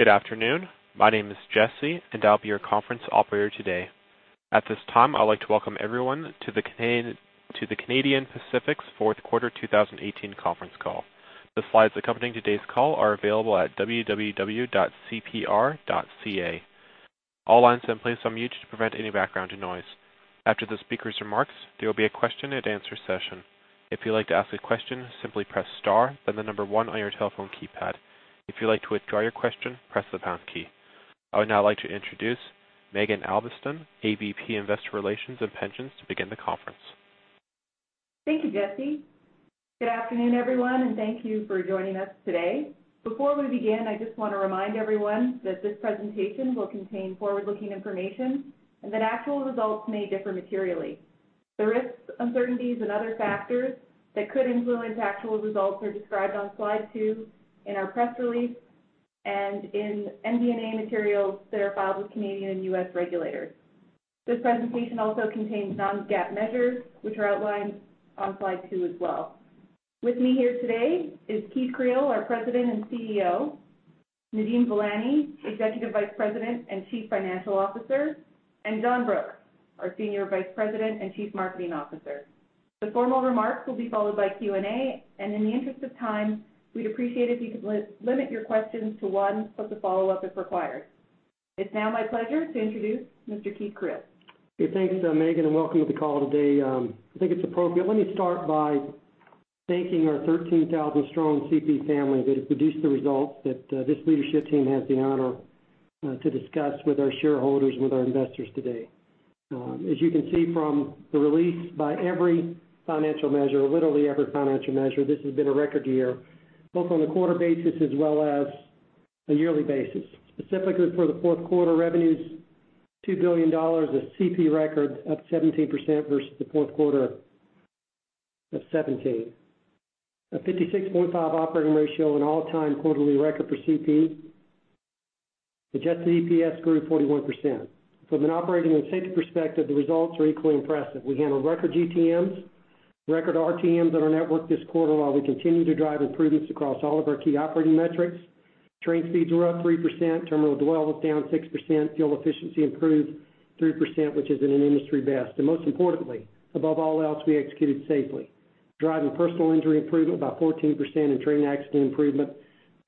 Good afternoon. My name is Jesse, and I'll be your conference operator today. At this time, I'd like to welcome everyone to the Canadian Pacific's fourth quarter 2018 conference call. The slides accompanying today's call are available at www.cpr.ca. All lines are in place on mute to prevent any background noise. After the speaker's remarks, there will be a question-and-answer session. If you'd like to ask a question, simply press star, then the number one on your telephone keypad. If you'd like to withdraw your question, press the pound key. I would now like to introduce Maeghan Albiston, AVP, Investor Relations and Pensions, to begin the conference. Thank you, Jesse. Good afternoon, everyone, and thank you for joining us today. Before we begin, I just want to remind everyone that this presentation will contain forward-looking information and that actual results may differ materially. The risks, uncertainties, and other factors that could influence actual results are described on slide two in our press release and in MD&A materials that are filed with Canadian and U.S. regulators. This presentation also contains non-GAAP measures, which are outlined on slide two as well. With me here today is Keith Creel, our President and CEO, Nadeem Velani, Executive Vice President and Chief Financial Officer, and John Brooks, our Senior Vice President and Chief Marketing Officer. The formal remarks will be followed by Q&A, and in the interest of time, we'd appreciate if you could limit your questions to one, but to follow up if required. It's now my pleasure to introduce Mr. Keith Creel. Okay, thanks, Maeghan, and welcome to the call today. I think it's appropriate. Let me start by thanking our 13,000 strong CP family that have produced the results that this leadership team has the honor to discuss with our shareholders, with our investors today. As you can see from the release, by every financial measure, literally every financial measure, this has been a record year, both on a quarter basis as well as a yearly basis. Specifically for the fourth quarter, revenues, 2 billion dollars, a CP record, up 17% versus the fourth quarter of 2017. A 56.5 operating ratio, an all-time quarterly record for CP. Adjusted EPS grew 41%. From an operating and safety perspective, the results are equally impressive. We handled record GTMs, record RTMs on our network this quarter, while we continued to drive improvements across all of our key operating metrics. Train speeds were up 3%, terminal dwells down 6%, field efficiency improved 3%, which is an industry best. And most importantly, above all else, we executed safely, driving personal injury improvement by 14% and train accident improvement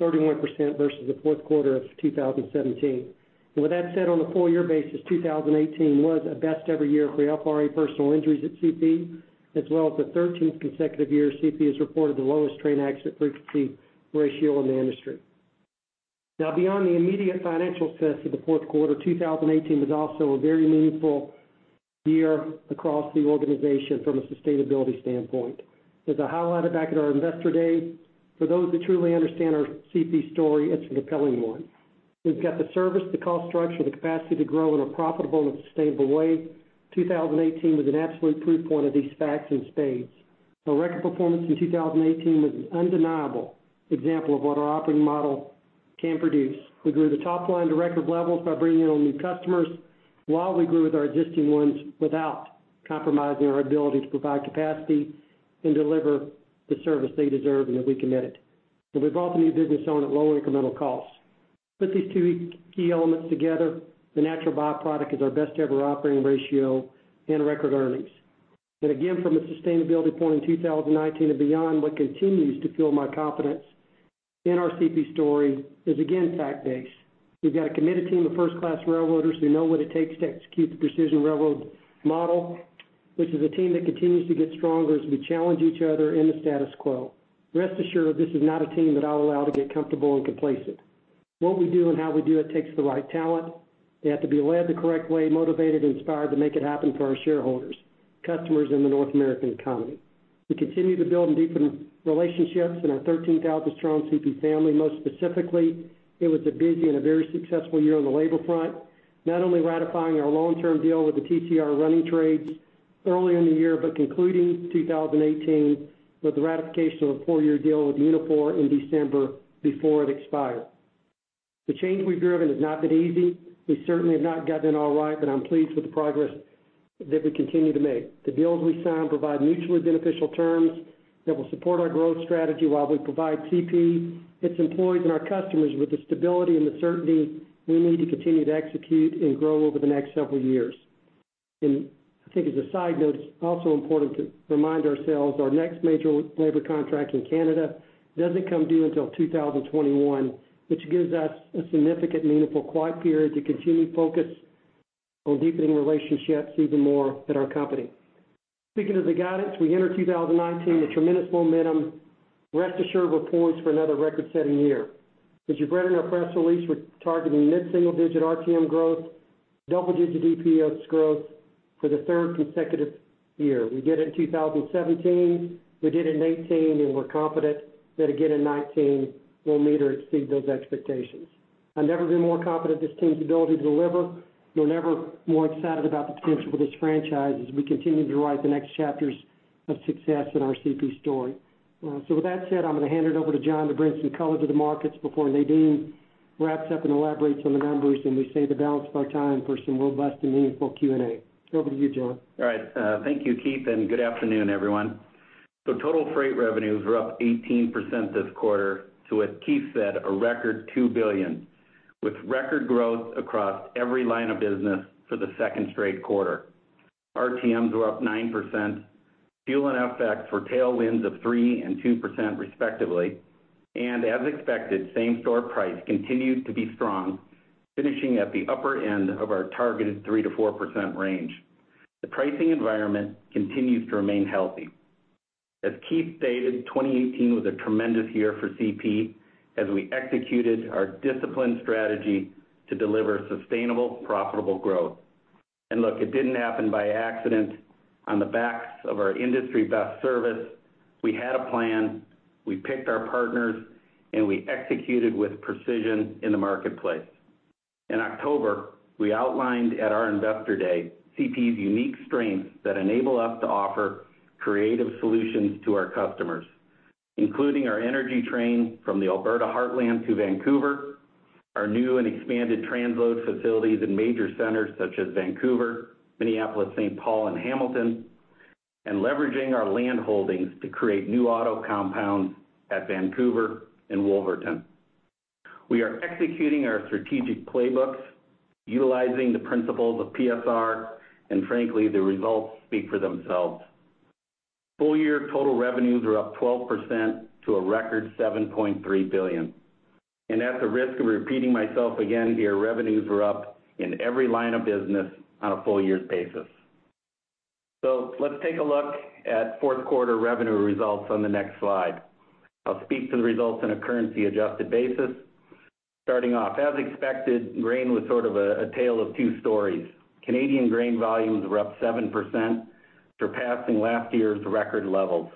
31% versus the fourth quarter of 2017. And with that said, on a full year basis, 2018 was a best-ever year for FRA personal injuries at CP, as well as the 13th consecutive year CP has reported the lowest train accident frequency ratio in the industry. Now, beyond the immediate financial success of the fourth quarter, 2018 was also a very meaningful year across the organization from a sustainability standpoint. As I highlighted back at our Investor Day, for those that truly understand our CP story, it's a compelling one. We've got the service, the cost structure, the capacity to grow in a profitable and sustainable way. 2018 was an absolute proof point of these facts in spades. The record performance in 2018 was an undeniable example of what our operating model can produce. We grew the top line to record levels by bringing on new customers, while we grew with our existing ones, without compromising our ability to provide capacity and deliver the service they deserve and that we committed. And we brought the new business on at lower incremental costs. Put these two key elements together, the natural by-product is our best-ever operating ratio and record earnings. But again, from a sustainability point in 2019 and beyond, what continues to fuel my confidence in our CP story is again, fact-based. We've got a committed team of first-class railroaders who know what it takes to execute the precision railroad model, which is a team that continues to get stronger as we challenge each other in the status quo. Rest assured, this is not a team that I'll allow to get comfortable and complacent. What we do and how we do it takes the right talent. They have to be led the correct way, motivated and inspired to make it happen for our shareholders, customers in the North American economy. We continue to build and deepen relationships in our 13,000-strong CP family. Most specifically, it was a busy and a very successful year on the labor front, not only ratifying our long-term deal with the TCRC Running Trades early in the year, but concluding 2018 with the ratification of a four-year deal with Unifor in December before it expired. The change we've driven has not been easy. We certainly have not gotten it all right, but I'm pleased with the progress that we continue to make. The deals we sign provide mutually beneficial terms that will support our growth strategy while we provide CP, its employees, and our customers with the stability and the certainty we need to continue to execute and grow over the next several years. I think as a side note, it's also important to remind ourselves, our next major labor contract in Canada doesn't come due until 2021, which gives us a significant, meaningful quiet period to continue to focus on deepening relationships even more at our company. Speaking of the guidance, we enter 2019 with tremendous momentum. Rest assured we're poised for another record-setting year. As you've read in our press release, we're targeting mid-single-digit RTM growth, double-digit DPS growth for the third consecutive year. We did it in 2017, we did it in 2018, and we're confident that again in 2019 we'll meet or exceed those expectations. I've never been more confident in this team's ability to deliver, nor never more excited about the potential for this franchise as we continue to write the next chapters of success in our CP story. With that said, I'm going to hand it over to John to bring some color to the markets before Nadeem wraps up and elaborates on the numbers, and we save the balance of our time for some robust and meaningful Q&A. Over to you, John. All right. Thank you, Keith, and good afternoon, everyone. So total freight revenues were up 18% this quarter to, as Keith said, a record $2 billion, with record growth across every line of business for the second straight quarter. RTMs were up 9%. Fuel and FX were tailwinds of 3% and 2%, respectively. And as expected, same-store price continued to be strong, finishing at the upper end of our targeted 3%-4% range. The pricing environment continues to remain healthy. As Keith stated, 2018 was a tremendous year for CP as we executed our disciplined strategy to deliver sustainable, profitable growth. And look, it didn't happen by accident. On the backs of our industry-best service, we had a plan, we picked our partners, and we executed with precision in the marketplace. In October, we outlined at our Investor Day, CP's unique strengths that enable us to offer creative solutions to our customers, including our energy train from the Alberta Heartland to Vancouver, our new and expanded transload facilities in major centers such as Vancouver, Minneapolis-Saint Paul, and Hamilton, and leveraging our land holdings to create new auto compounds at Vancouver and Wolverton. We are executing our strategic playbooks, utilizing the principles of PSR, and frankly, the results speak for themselves. Full year total revenues are up 12% to a record $7.3 billion. At the risk of repeating myself again here, revenues were up in every line of business on a full year basis. Let's take a look at fourth quarter revenue results on the next slide. I'll speak to the results on a currency-adjusted basis. Starting off, as expected, grain was sort of a tale of two stories. Canadian grain volumes were up 7%, surpassing last year's record levels.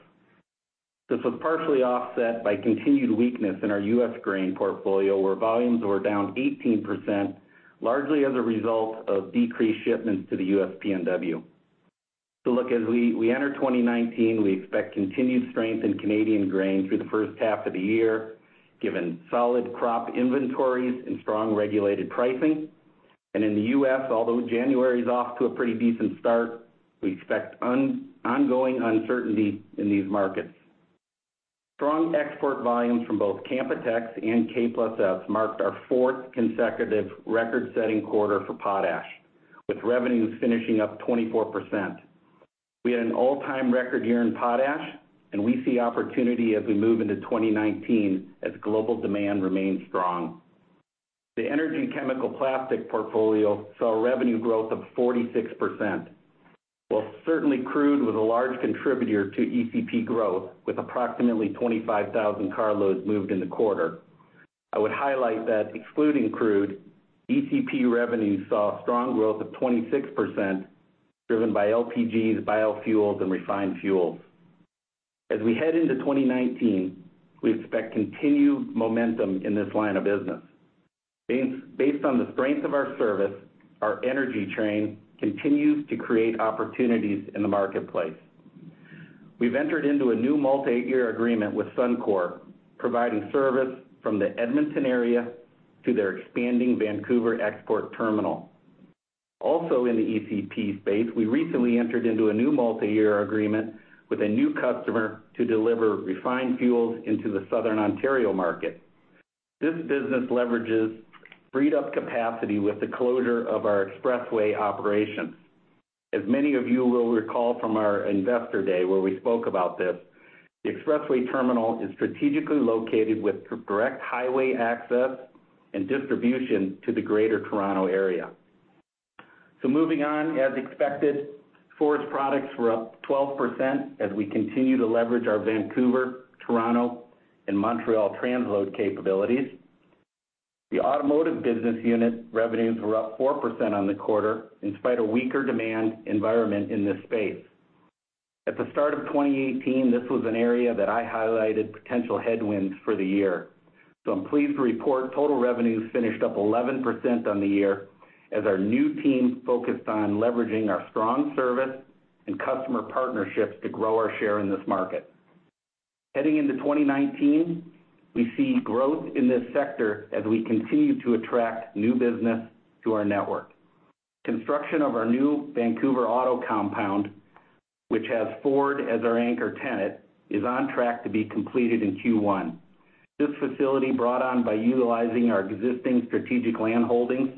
This was partially offset by continued weakness in our US grain portfolio, where volumes were down 18%, largely as a result of decreased shipments to the US PNW. So look, as we enter 2019, we expect continued strength in Canadian grain through the first half of the year, given solid crop inventories and strong regulated pricing. And in the US, although January is off to a pretty decent start, we expect ongoing uncertainty in these markets. Strong export volumes from both Canpotex and K+S marked our fourth consecutive record-setting quarter for potash, with revenues finishing up 24%. We had an all-time record year in potash, and we see opportunity as we move into 2019 as global demand remains strong. The energy chemical plastic portfolio saw a revenue growth of 46%. While certainly crude was a large contributor to ECP growth, with approximately 25,000 carloads moved in the quarter, I would highlight that excluding crude, ECP revenues saw strong growth of 26%, driven by LPGs, biofuels, and refined fuels. As we head into 2019, we expect continued momentum in this line of business. Based on the strength of our service, our Energy Train continues to create opportunities in the marketplace. We've entered into a new multiyear agreement with Suncor, providing service from the Edmonton area to their expanding Vancouver export terminal. Also, in the ECP space, we recently entered into a new multiyear agreement with a new customer to deliver refined fuels into the Southern Ontario market. This business leverages freed up capacity with the closure of our Expressway operations. As many of you will recall from our Investor Day, where we spoke about this, the Expressway terminal is strategically located with direct highway access and distribution to the Greater Toronto Area. So moving on, as expected, forest products were up 12% as we continue to leverage our Vancouver, Toronto, and Montreal transload capabilities. The automotive business unit revenues were up 4% on the quarter, in spite of weaker demand environment in this space. At the start of 2018, this was an area that I highlighted potential headwinds for the year. So I'm pleased to report total revenues finished up 11% on the year, as our new team focused on leveraging our strong service and customer partnerships to grow our share in this market. Heading into 2019, we see growth in this sector as we continue to attract new business to our network. Construction of our new Vancouver auto compound, which has Ford as our anchor tenant, is on track to be completed in Q1. This facility, brought on by utilizing our existing strategic land holdings,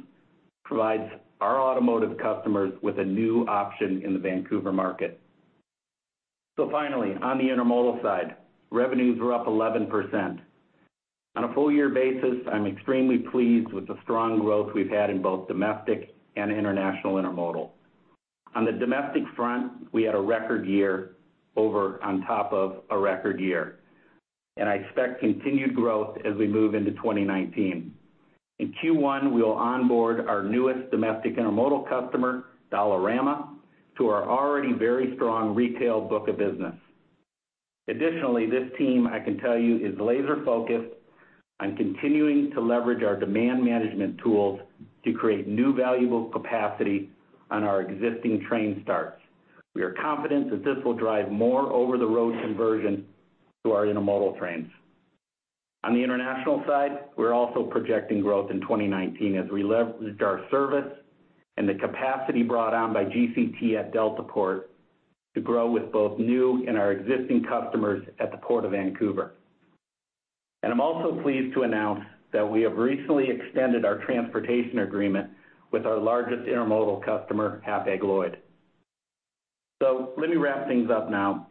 provides our automotive customers with a new option in the Vancouver market. Finally, on the intermodal side, revenues were up 11%. On a full year basis, I'm extremely pleased with the strong growth we've had in both domestic and international intermodal. On the domestic front, we had a record year over on top of a record year, and I expect continued growth as we move into 2019. In Q1, we will onboard our newest domestic intermodal customer, Dollarama, to our already very strong retail book of business. Additionally, this team, I can tell you, is laser focused on continuing to leverage our demand management tools to create new valuable capacity on our existing train starts. We are confident that this will drive more over-the-road conversion to our intermodal trains.... On the international side, we're also projecting growth in 2019 as we leveraged our service and the capacity brought on by GCT at Deltaport to grow with both new and our existing customers at the Port of Vancouver. And I'm also pleased to announce that we have recently extended our transportation agreement with our largest intermodal customer, Hapag-Lloyd. So let me wrap things up now.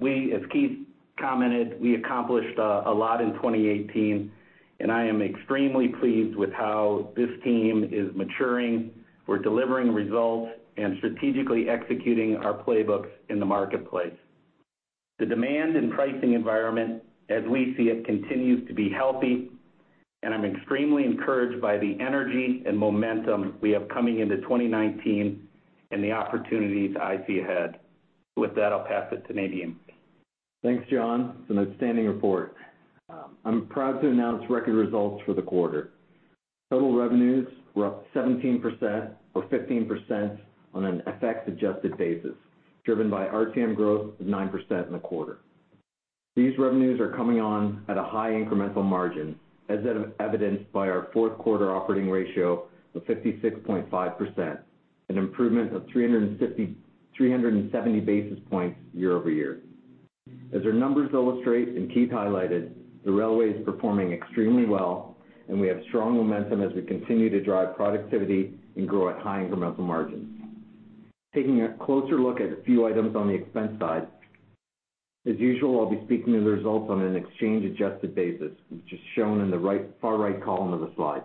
We, as Keith commented, we accomplished a lot in 2018, and I am extremely pleased with how this team is maturing. We're delivering results and strategically executing our playbooks in the marketplace. The demand and pricing environment, as we see it, continues to be healthy, and I'm extremely encouraged by the energy and momentum we have coming into 2019 and the opportunities I see ahead. With that, I'll pass it to Nadeem. Thanks, John. It's an outstanding report. I'm proud to announce record results for the quarter. Total revenues were up 17% or 15% on an FX-adjusted basis, driven by RTM growth of 9% in the quarter. These revenues are coming on at a high incremental margin, as evidenced by our fourth quarter operating ratio of 56.5%, an improvement of 370 basis points year-over-year. As our numbers illustrate, and Keith highlighted, the railway is performing extremely well, and we have strong momentum as we continue to drive productivity and grow at high incremental margins. Taking a closer look at a few items on the expense side, as usual, I'll be speaking to the results on an exchange-adjusted basis, which is shown in the far right column of the slide.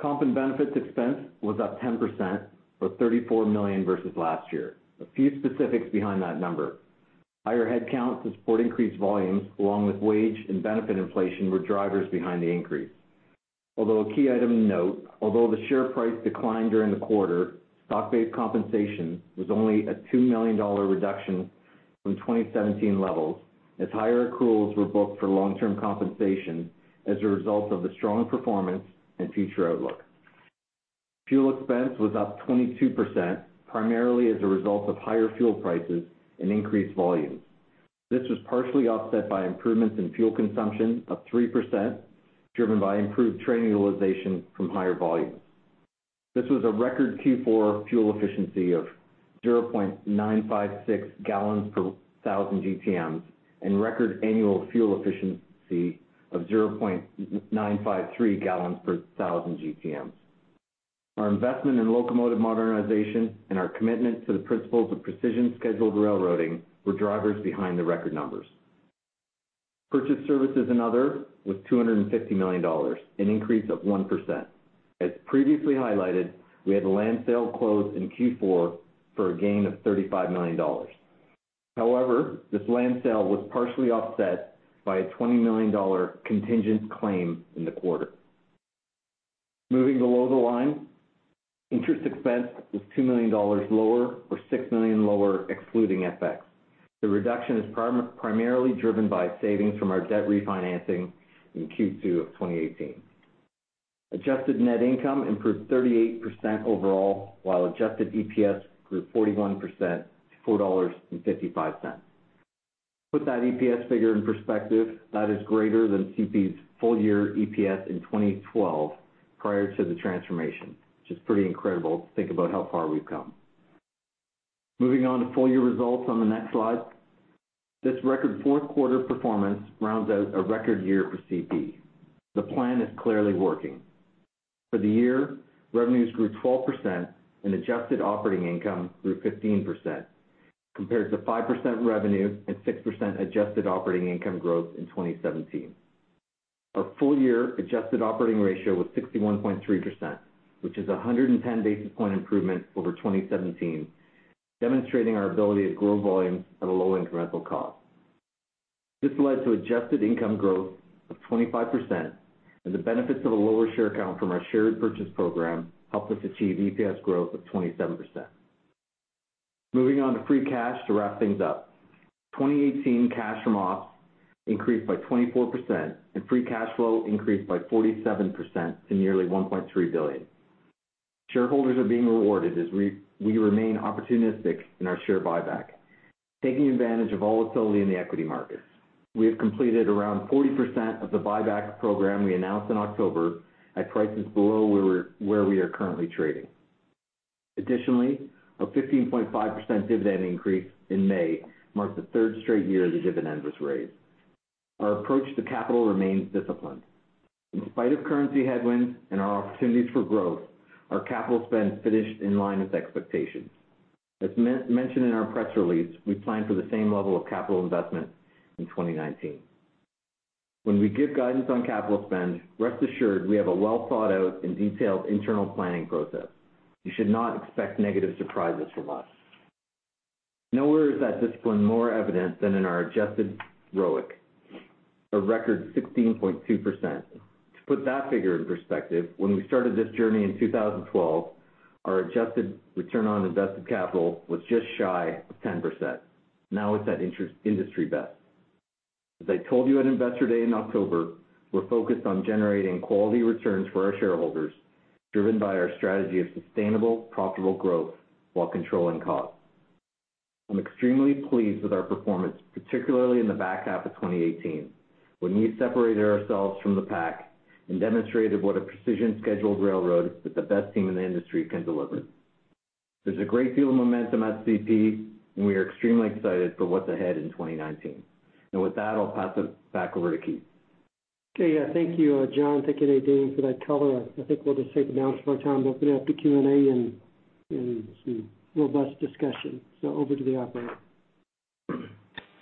Comp and benefits expense was up 10% or $34 million versus last year. A few specifics behind that number. Higher headcounts to support increased volumes, along with wage and benefit inflation, were drivers behind the increase. A key item to note, although the share price declined during the quarter, stock-based compensation was only a $2 million reduction from 2017 levels, as higher accruals were booked for long-term compensation as a result of the strong performance and future outlook. Fuel expense was up 22%, primarily as a result of higher fuel prices and increased volumes. This was partially offset by improvements in fuel consumption of 3%, driven by improved train utilization from higher volumes. This was a record Q4 fuel efficiency of 0.956 gallons per thousand GTMs, and record annual fuel efficiency of 0.953 gallons per thousand GTMs. Our investment in locomotive modernization and our commitment to the principles of precision scheduled railroading were drivers behind the record numbers. Purchased services and other was 250 million dollars, an increase of 1%. As previously highlighted, we had a land sale close in Q4 for a gain of 35 million dollars. However, this land sale was partially offset by a 20 million dollar contingent claim in the quarter. Moving below the line, interest expense was 2 million dollars lower or 6 million lower, excluding FX. The reduction is primarily driven by savings from our debt refinancing in Q2 of 2018. Adjusted net income improved 38% overall, while adjusted EPS grew 41% to $4.55. Put that EPS figure in perspective, that is greater than CP's full year EPS in 2012, prior to the transformation, which is pretty incredible to think about how far we've come. Moving on to full year results on the next slide. This record fourth quarter performance rounds out a record year for CP. The plan is clearly working. For the year, revenues grew 12% and adjusted operating income grew 15%, compared to 5% revenue and 6% adjusted operating income growth in 2017. Our full year adjusted operating ratio was 61.3%, which is a 110 basis point improvement over 2017, demonstrating our ability to grow volumes at a low incremental cost. This led to adjusted income growth of 25%, and the benefits of a lower share count from our share purchase program helped us achieve EPS growth of 27%. Moving on to free cash to wrap things up. 2018 cash from ops increased by 24%, and free cash flow increased by 47% to nearly $1.3 billion. Shareholders are being rewarded as we remain opportunistic in our share buyback, taking advantage of volatility in the equity markets. We have completed around 40% of the buyback program we announced in October at prices below where we are currently trading. Additionally, a 15.5% dividend increase in May marks the third straight year the dividend was raised. Our approach to capital remains disciplined. In spite of currency headwinds and our opportunities for growth, our capital spend finished in line with expectations. As mentioned in our press release, we plan for the same level of capital investment in 2019. When we give guidance on capital spend, rest assured we have a well-thought-out and detailed internal planning process. You should not expect negative surprises from us. Nowhere is that discipline more evident than in our adjusted ROIC, a record 16.2%. To put that figure in perspective, when we started this journey in 2012, our adjusted return on invested capital was just shy of 10%. Now it's at industry best. As I told you at Investor Day in October, we're focused on generating quality returns for our shareholders, driven by our strategy of sustainable, profitable growth while controlling costs. I'm extremely pleased with our performance, particularly in the back half of 2018, when we separated ourselves from the pack and demonstrated what a precision scheduled railroad with the best team in the industry can deliver. There's a great deal of momentum at CP, and we are extremely excited for what's ahead in 2019. With that, I'll pass it back over to Keith. Okay. Yeah, thank you, John. Thank you, again, Nadeem, for that color. I think we'll just take it down some more time to open up the Q&A and, and some robust discussion. So over to the operator.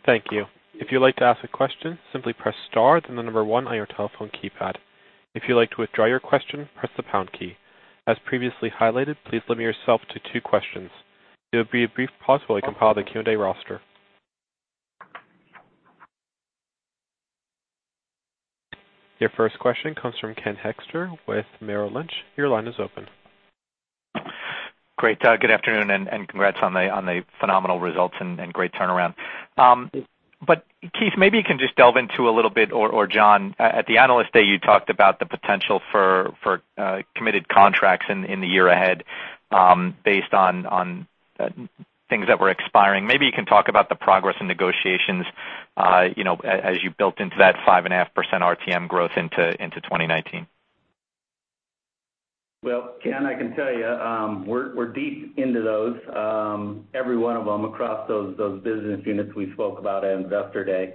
Thank you. If you'd like to ask a question, simply press star, then the number one on your telephone keypad. If you'd like to withdraw your question, press the pound key. As previously highlighted, please limit yourself to 2 questions. There will be a brief pause while we compile the Q&A roster. Your first question comes from Ken Hoexter with Merrill Lynch. Your line is open. Great, good afternoon, and congrats on the phenomenal results and great turnaround. But Keith, maybe you can just delve into a little bit, or John, at the Analyst Day, you talked about the potential for committed contracts in the year ahead, based on things that were expiring. Maybe you can talk about the progress in negotiations, you know, as you built into that 5.5% RTM growth into 2019. Well, Ken, I can tell you, we're deep into those, every one of them across those business units we spoke about at Investor Day.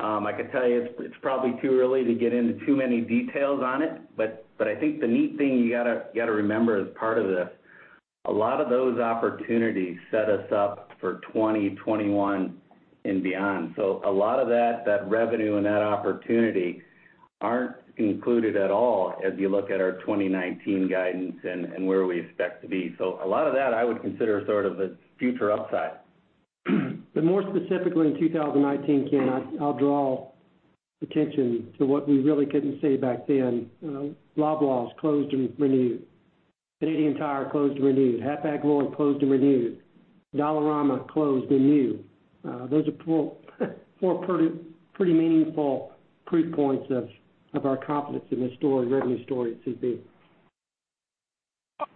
I could tell you, it's probably too early to get into too many details on it, but I think the neat thing you gotta remember as part of this, a lot of those opportunities set us up for 2021 and beyond. So a lot of that revenue and that opportunity aren't included at all as you look at our 2019 guidance and where we expect to be. So a lot of that, I would consider sort of a future upside. But more specifically, in 2019, Ken, I, I'll draw attention to what we really couldn't say back then, Loblaws closed and renewed. Canadian Tire closed and renewed. Hapag-Lloyd closed and renewed. Dollarama closed and renewed. Those are 4 pretty meaningful proof points of, of our confidence in the story, revenue story at CP.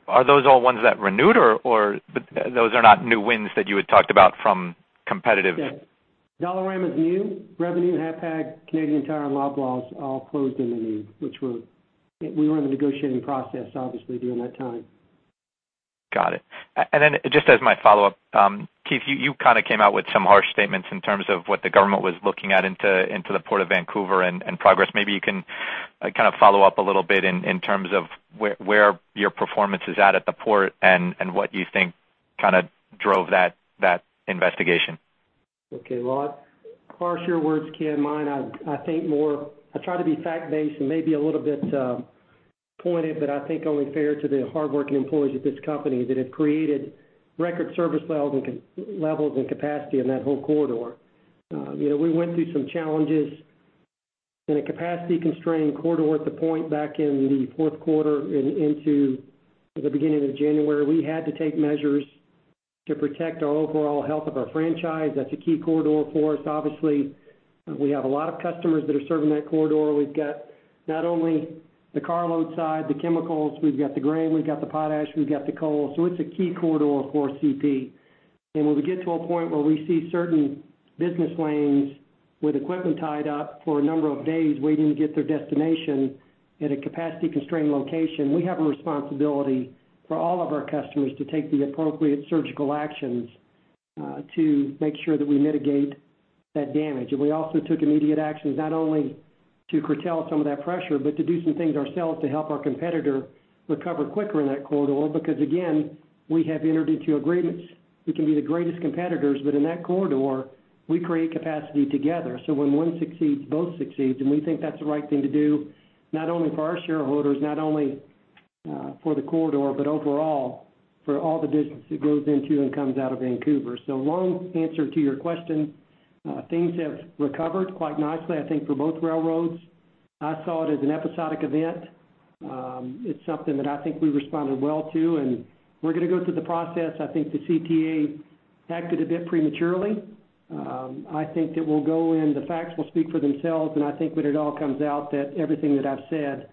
Are those all ones that renewed or those are not new wins that you had talked about from competitive? Yeah. Dollarama is new revenue, Hapag, Canadian Tire, and Loblaws, all closed and renewed, which were we were in the negotiating process, obviously, during that time. Got it. And then just as my follow-up, Keith, you kind of came out with some harsh statements in terms of what the government was looking at into the Port of Vancouver and progress. Maybe you can kind of follow up a little bit in terms of where your performance is at the port, and what you think kind of drove that investigation. Okay, well, harsher words, Ken, mine. I think more I try to be fact-based and maybe a little bit pointed, but I think only fair to the hardworking employees of this company that have created record service levels and capacity levels in that whole corridor. You know, we went through some challenges in a capacity-constrained corridor at the point back in the fourth quarter and into the beginning of January. We had to take measures to protect our overall health of our franchise. That's a key corridor for us. Obviously, we have a lot of customers that are serving that corridor. We've got not only the carload side, the chemicals, we've got the grain, we've got the potash, we've got the coal, so it's a key corridor for CP. When we get to a point where we see certain business lanes with equipment tied up for a number of days, waiting to get their destination at a capacity-constrained location, we have a responsibility for all of our customers to take the appropriate surgical actions, to make sure that we mitigate that damage. We also took immediate actions, not only to curtail some of that pressure, but to do some things ourselves to help our competitor recover quicker in that corridor, because, again, we have entered into agreements. We can be the greatest competitors, but in that corridor, we create capacity together. When one succeeds, both succeeds, and we think that's the right thing to do, not only for our shareholders, not only, for the corridor, but overall, for all the business that goes into and comes out of Vancouver. So long answer to your question, things have recovered quite nicely, I think, for both railroads. I saw it as an episodic event. It's something that I think we responded well to, and we're gonna go through the process. I think the CTA acted a bit prematurely. I think that we'll go in, the facts will speak for themselves, and I think when it all comes out, that everything that I've said,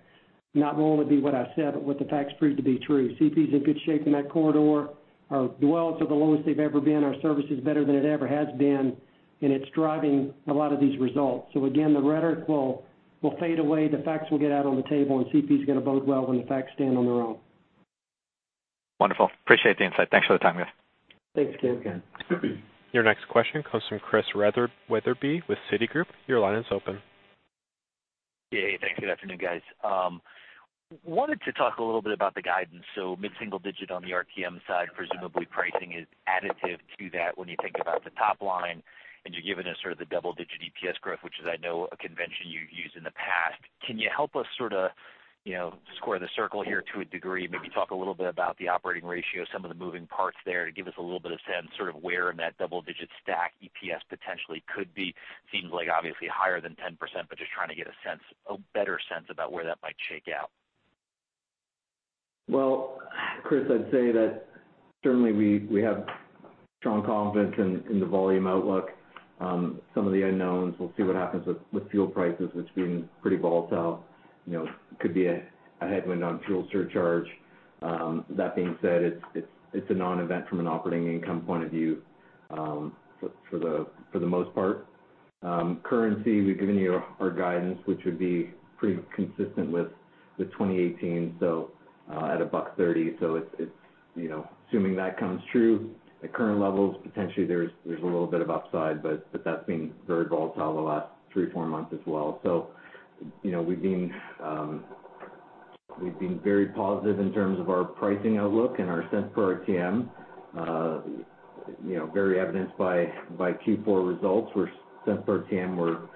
not only will be what I've said, but what the facts prove to be true. CP is in good shape in that corridor. Our dwells are the lowest they've ever been. Our service is better than it ever has been, and it's driving a lot of these results. So again, the rhetoric will, will fade away, the facts will get out on the table, and CP is going to bode well when the facts stand on their own. Wonderful. Appreciate the insight. Thanks for the time, guys. Thanks, Ken again. Your next question comes from Chris Wetherbee with Citigroup. Your line is open. Yeah, thanks. Good afternoon, guys. Wanted to talk a little bit about the guidance, so mid-single-digit on the RTM side, presumably pricing is additive to that when you think about the top line, and you're giving us sort of the double-digit EPS growth, which is, I know, a convention you've used in the past. Can you help us sort of, you know, square the circle here to a degree, maybe talk a little bit about the operating ratio, some of the moving parts there, to give us a little bit of sense, sort of where in that double-digit stack EPS potentially could be? Seems like obviously higher than 10%, but just trying to get a sense, a better sense about where that might shake out. Well, Chris, I'd say that certainly we have strong confidence in the volume outlook. Some of the unknowns, we'll see what happens with fuel prices, it's been pretty volatile, you know, could be a headwind on fuel surcharge. That being said, it's a non-event from an operating income point of view, for the most part. Currency, we've given you our guidance, which would be pretty consistent with 2018, so at 1.30. So it's, you know, assuming that comes true, at current levels, potentially there's a little bit of upside, but that's been very volatile the last 3 or 4 months as well. So, you know, we've been very positive in terms of our pricing outlook and our cents per RTM. You know, very evidenced by Q4 results, where cents per RTM were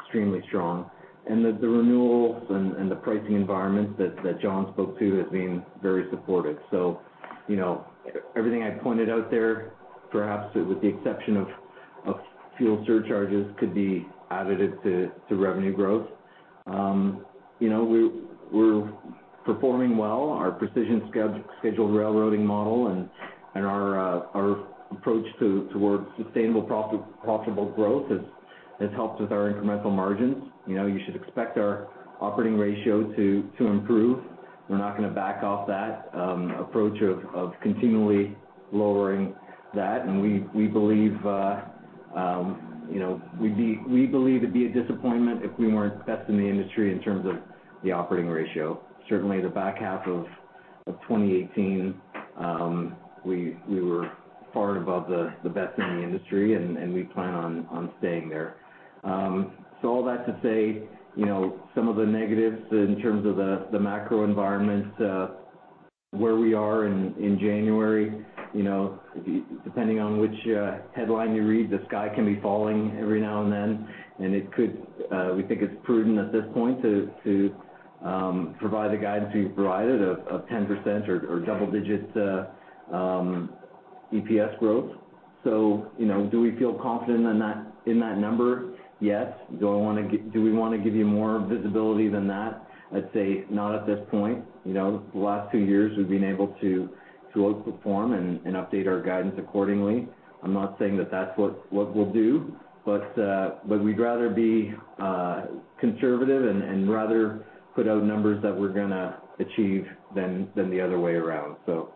extremely strong. And the renewals and the pricing environment that John spoke to has been very supportive. So, you know, everything I pointed out there, perhaps with the exception of fuel surcharges, could be additive to revenue growth. You know, we're performing well. Our precision scheduled railroading model and our approach towards sustainable profitable growth has helped with our incremental margins. You know, you should expect our operating ratio to improve. We're not going to back off that approach of continually lowering that. And we believe, you know, we believe it'd be a disappointment if we weren't best in the industry in terms of the operating ratio. Certainly, the back half of 2018, we were far above the best in the industry, and we plan on staying there. So all that to say, you know, some of the negatives in terms of the macro environment, where we are in January, you know, depending on which headline you read, the sky can be falling every now and then, and it could. We think it's prudent at this point to provide the guidance we've provided of 10% or double digits, EPS growth. So, you know, do we feel confident in that number? Yes. Do I wanna—do we wanna give you more visibility than that? I'd say, not at this point. You know, the last two years, we've been able to outperform and update our guidance accordingly. I'm not saying that that's what we'll do, but we'd rather be conservative and rather put out numbers that we're gonna achieve than the other way around. So,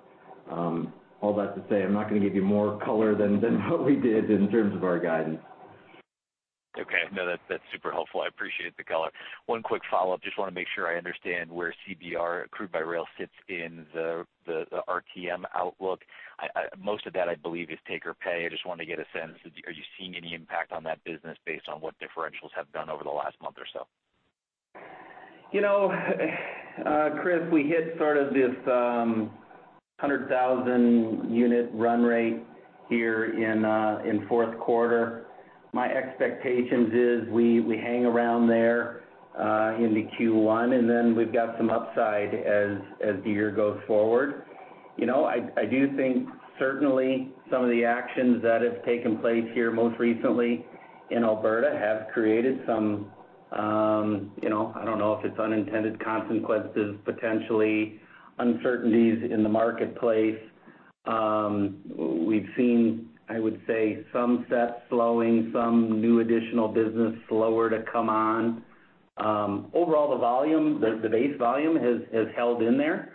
all that to say, I'm not gonna give you more color than what we did in terms of our guidance. Okay. No, that's super helpful. I appreciate the color. One quick follow-up. Just wanna make sure I understand where CBR, Crude by Rail, sits in the RTM outlook. I most of that, I believe, is take or pay. I just wanted to get a sense, are you seeing any impact on that business based on what differentials have done over the last month or so? You know, Chris, we hit sort of this, 100,000 unit run rate here in, in fourth quarter. My expectations is we, we hang around there, into Q1, and then we've got some upside as, as the year goes forward. You know, I, I do think certainly some of the actions that have taken place here, most recently in Alberta, have created some, you know, I don't know if it's unintended consequences, potentially uncertainties in the marketplace. We've seen, I would say, some sets slowing, some new additional business slower to come on. Overall, the volume, the, the base volume has, has held in there,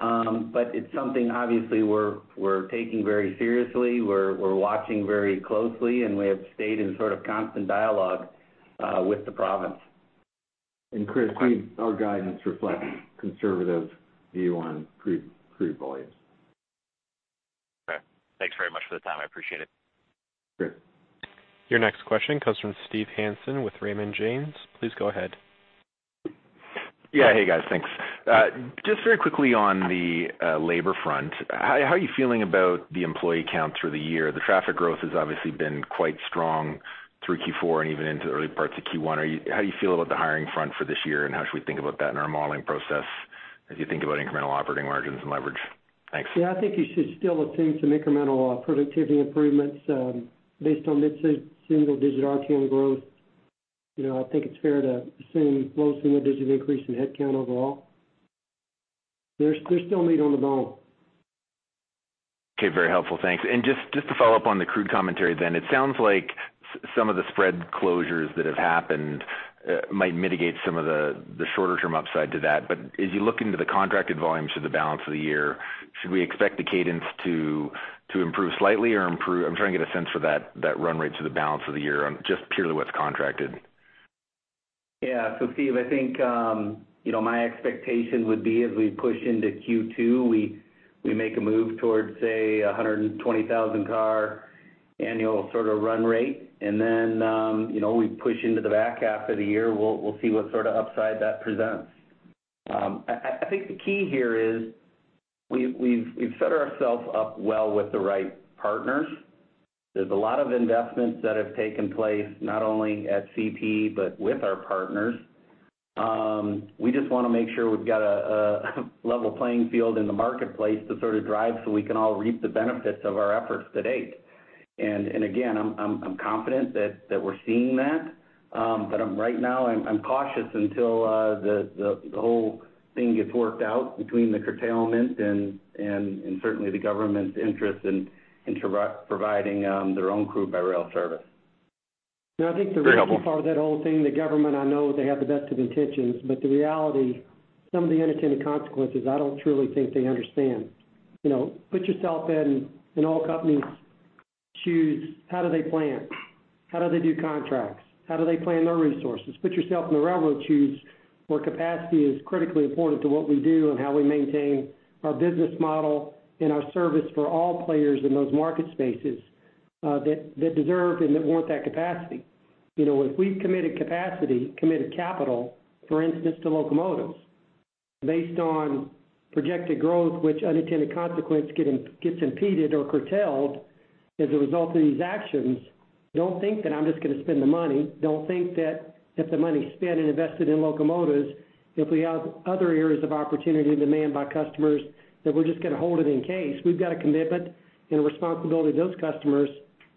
but it's something obviously we're, we're taking very seriously, we're, we're watching very closely, and we have stayed in sort of constant dialogue, with the province. Chris, we—our guidance reflects conservative view on crude, crude volumes. Okay. Thanks very much for the time. I appreciate it. Great. Your next question comes from Steve Hansen with Raymond James. Please go ahead. Yeah, hey, guys. Thanks. Just very quickly on the labor front, how are you feeling about the employee count through the year? The traffic growth has obviously been quite strong through Q4 and even into the early parts of Q1. How do you feel about the hiring front for this year, and how should we think about that in our modeling process as you think about incremental operating margins and leverage? Thanks. Yeah, I think you should still assume some incremental productivity improvements based on mid-single digit RTM growth. You know, I think it's fair to assume low single digit increase in headcount overall. There's still meat on the bone. Okay, very helpful. Thanks. And just to follow up on the crude commentary then, it sounds like some of the spread closures that have happened might mitigate some of the shorter term upside to that. But as you look into the contracted volumes for the balance of the year, should we expect the cadence to improve slightly or improve. I'm trying to get a sense for that run rate for the balance of the year on just purely what's contracted. Yeah. So Steve, I think, you know, my expectation would be as we push into Q2, we make a move towards, say, 120,000 car annual sort of run rate. And then, you know, we push into the back half of the year, we'll see what sort of upside that presents. I think the key here is we've set ourselves up well with the right partners. There's a lot of investments that have taken place, not only at CP, but with our partners. We just wanna make sure we've got a level playing field in the marketplace to sort of drive, so we can all reap the benefits of our efforts to date. And again, I'm confident that we're seeing that. But right now, I'm cautious until the whole thing gets worked out between the curtailment and certainly the government's interest in providing their own crude-by-rail service. No, I think the- Very helpful. part of that whole thing, the government, I know they have the best of intentions, but the reality, some of the unintended consequences, I don't truly think they understand. You know, put yourself in all companies' shoes, how do they plan? How do they do contracts? How do they plan their resources? Put yourself in the railroad shoes, where capacity is critically important to what we do and how we maintain our business model and our service for all players in those market spaces, that deserve and that want that capacity. You know, if we've committed capacity, committed capital, for instance, to locomotives, based on projected growth, which unintended consequence gets impeded or curtailed as a result of these actions, don't think that I'm just going to spend the money. Don't think that if the money's spent and invested in locomotives, if we have other areas of opportunity and demand by customers, that we're just going to hold it in case. We've got a commitment and a responsibility to those customers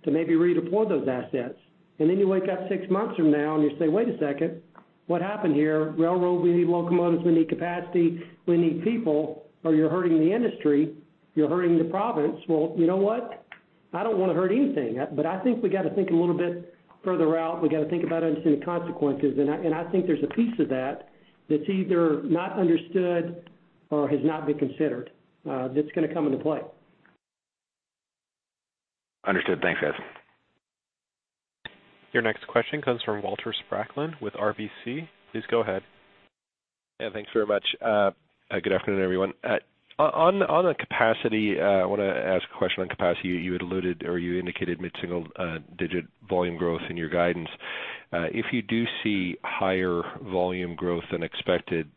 to maybe redeploy those assets. And then you wake up six months from now and you say, "Wait a second, what happened here? Railroad, we need locomotives, we need capacity, we need people, or you're hurting the industry, you're hurting the province." Well, you know what? I don't want to hurt anything. But I think we got to think a little bit further out. We got to think about unseen consequences, and I, and I think there's a piece of that that's either not understood or has not been considered, that's going to come into play. Understood. Thanks, guys. Your next question comes from Walter Spracklin with RBC. Please go ahead. Yeah, thanks very much. Good afternoon, everyone. On the capacity, I wanna ask a question on capacity. You had alluded or you indicated mid-single-digit volume growth in your guidance. If you do see higher volume growth than expected,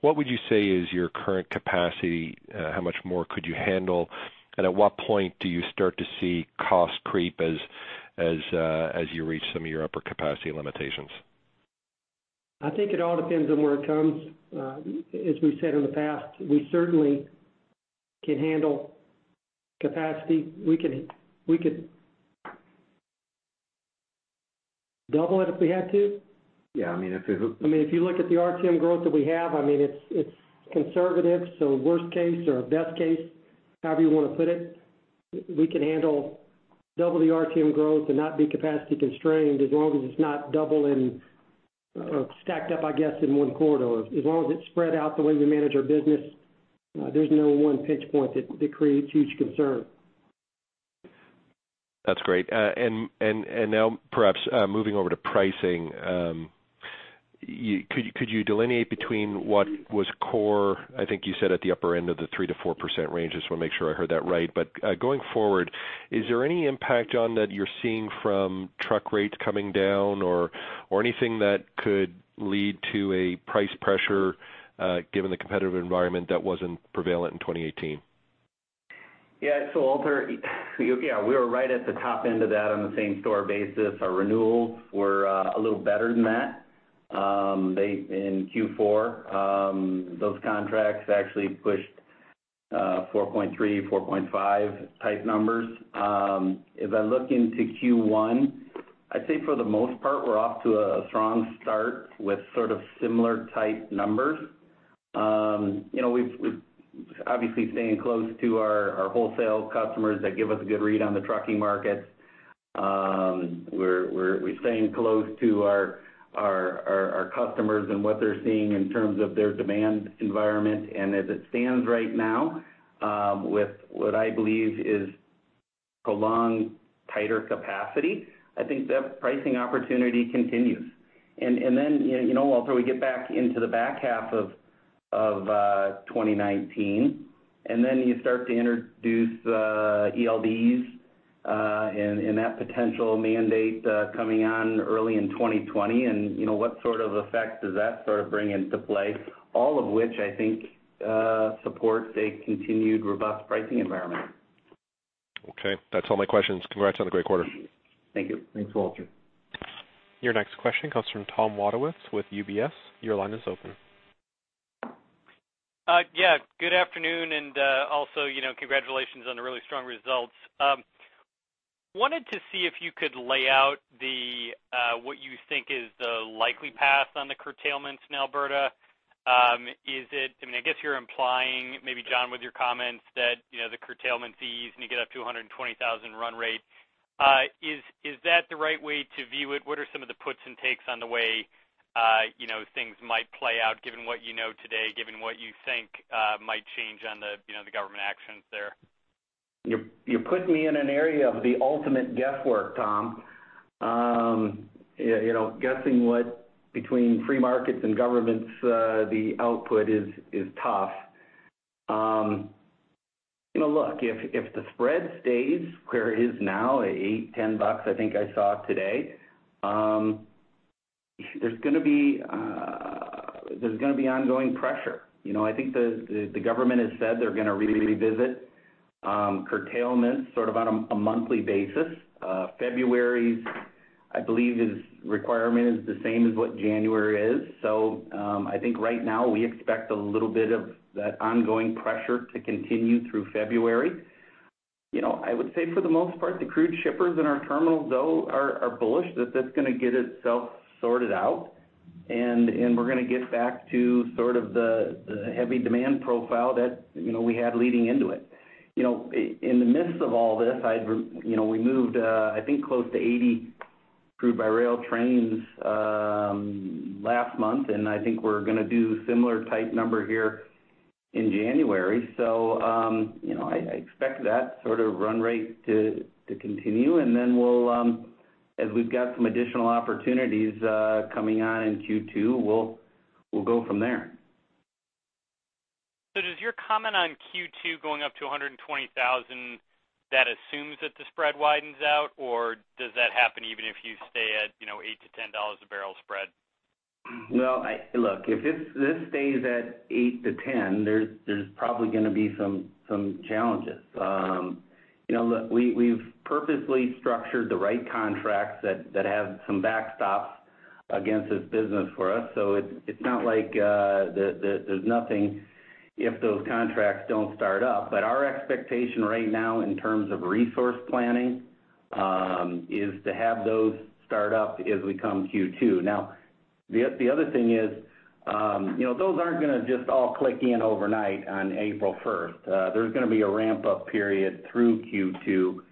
what would you say is your current capacity? How much more could you handle? And at what point do you start to see costs creep as you reach some of your upper capacity limitations? I think it all depends on where it comes. As we've said in the past, we certainly can handle capacity. We could, we could double it if we had to. I mean, if you look at the RTM growth that we have, I mean, it's, it's conservative, so worst case or best case, however you want to put it, we can handle double the RTM growth and not be capacity constrained, as long as it's not double and, or stacked up, I guess, in one corridor. As long as it's spread out the way we manage our business, there's no one pinch point that, that creates huge concern. That's great. And now, perhaps, moving over to pricing, you could delineate between what was core. I think you said at the upper end of the 3%-4% range. Just wanna make sure I heard that right. But, going forward, is there any impact, John, that you're seeing from truck rates coming down or anything that could lead to a price pressure, given the competitive environment that wasn't prevalent in 2018? Yeah. So Walter, yeah, we are right at the top end of that on the same-store basis. Our renewals were a little better than that. In Q4, those contracts actually pushed 4.3-4.5 type numbers. If I look into Q1, I'd say for the most part, we're off to a strong start with sort of similar type numbers. You know, we've obviously staying close to our wholesale customers that give us a good read on the trucking market. We're staying close to our customers and what they're seeing in terms of their demand environment. And as it stands right now, with what I believe is prolonged tighter capacity, I think that pricing opportunity continues. Then, you know, Walter, we get back into the back half of 2019, and then you start to introduce ELDs and that potential mandate coming on early in 2020, and, you know, what sort of effect does that sort of bring into play? All of which, I think, supports a continued robust pricing environment. Okay, that's all my questions. Congrats on the great quarter. Thank you. Thanks, Walter. Your next question comes from Tom Wadewitz with UBS. Your line is open. Yeah, good afternoon, and also, you know, congratulations on the really strong results. Wanted to see if you could lay out what you think is the likely path on the curtailments in Alberta. Is it, I mean, I guess you're implying, maybe, John, with your comments, that, you know, the curtailment fees need to get up to 120,000 run rate. Is that the right way to view it? What are some of the puts and takes on the way, you know, things might play out, given what you know today, given what you think might change on the, you know, the government actions there? You're putting me in an area of the ultimate guesswork, Tom. You know, guessing what, between free markets and governments, the output is tough. You know, look, if the spread stays where it is now, at $8-$10, I think I saw today, there's gonna be ongoing pressure. You know, I think the government has said they're gonna revisit, curtailment, sort of on a monthly basis. February's, I believe, its requirement is the same as what January is. So, I think right now, we expect a little bit of that ongoing pressure to continue through February.... You know, I would say for the most part, the crude shippers in our terminals, though, are bullish that that's gonna get itself sorted out, and we're gonna get back to sort of the heavy demand profile that, you know, we had leading into it. You know, in the midst of all this, I'd, you know, we moved, I think close to 80 crude by rail trains, last month, and I think we're gonna do similar type number here in January. So, you know, I expect that sort of run rate to continue, and then we'll, as we've got some additional opportunities, coming on in Q2, we'll go from there. Does your comment on Q2 going up to 120,000, that assumes that the spread widens out, or does that happen even if you stay at, you know, $8-$10 a barrel spread? Well, look, if this stays at 8-10, there's probably gonna be some challenges. You know, look, we've purposely structured the right contracts that have some backstops against this business for us. So it's not like the- there's nothing if those contracts don't start up. But our expectation right now, in terms of resource planning, is to have those start up as we come Q2. Now, the other thing is, you know, those aren't gonna just all click in overnight on April 1st. There's gonna be a ramp-up period through Q2, you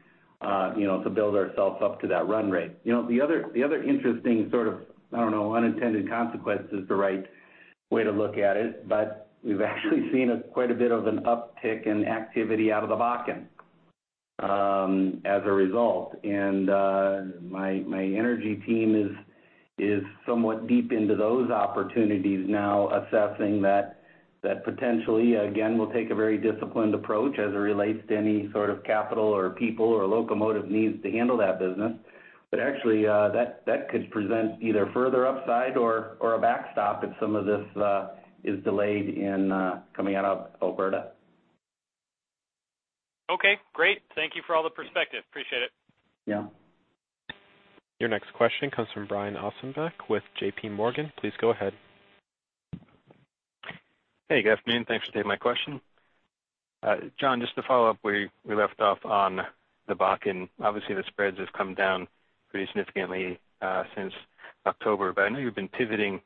know, to build ourselves up to that run rate. You know, the other interesting sort of, I don't know, unintended consequence is the right way to look at it, but we've actually seen quite a bit of an uptick in activity out of the Bakken as a result. And my energy team is somewhat deep into those opportunities now, assessing that potentially, again, we'll take a very disciplined approach as it relates to any sort of capital or people or locomotive needs to handle that business. But actually, that could present either further upside or a backstop if some of this is delayed in coming out of Alberta. Okay, great. Thank you for all the perspective. Appreciate it. Yeah. Your next question comes from Brian Ossenbeck with J.P. Morgan. Please go ahead. Hey, good afternoon. Thanks for taking my question. John, just to follow up where we left off on the Bakken. Obviously, the spreads have come down pretty significantly since October. But I know you've been pivoting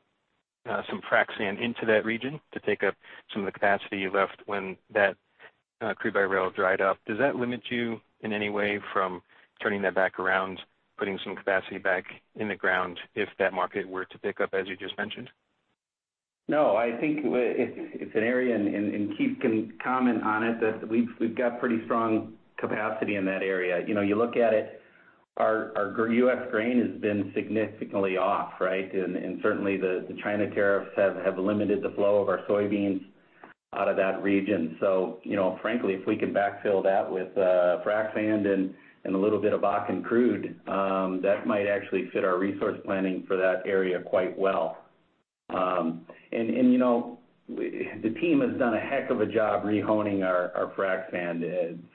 some frac sand into that region to take up some of the capacity you left when that crude by rail dried up. Does that limit you in any way from turning that back around, putting some capacity back in the ground if that market were to pick up, as you just mentioned? No, I think it's an area, and Keith can comment on it, that we've got pretty strong capacity in that area. You know, you look at it, our US grain has been significantly off, right? And certainly, the China tariffs have limited the flow of our soybeans out of that region. So, you know, frankly, if we can backfill that with frac sand and a little bit of Bakken crude, that might actually fit our resource planning for that area quite well. And you know, the team has done a heck of a job re-honing our frac sand.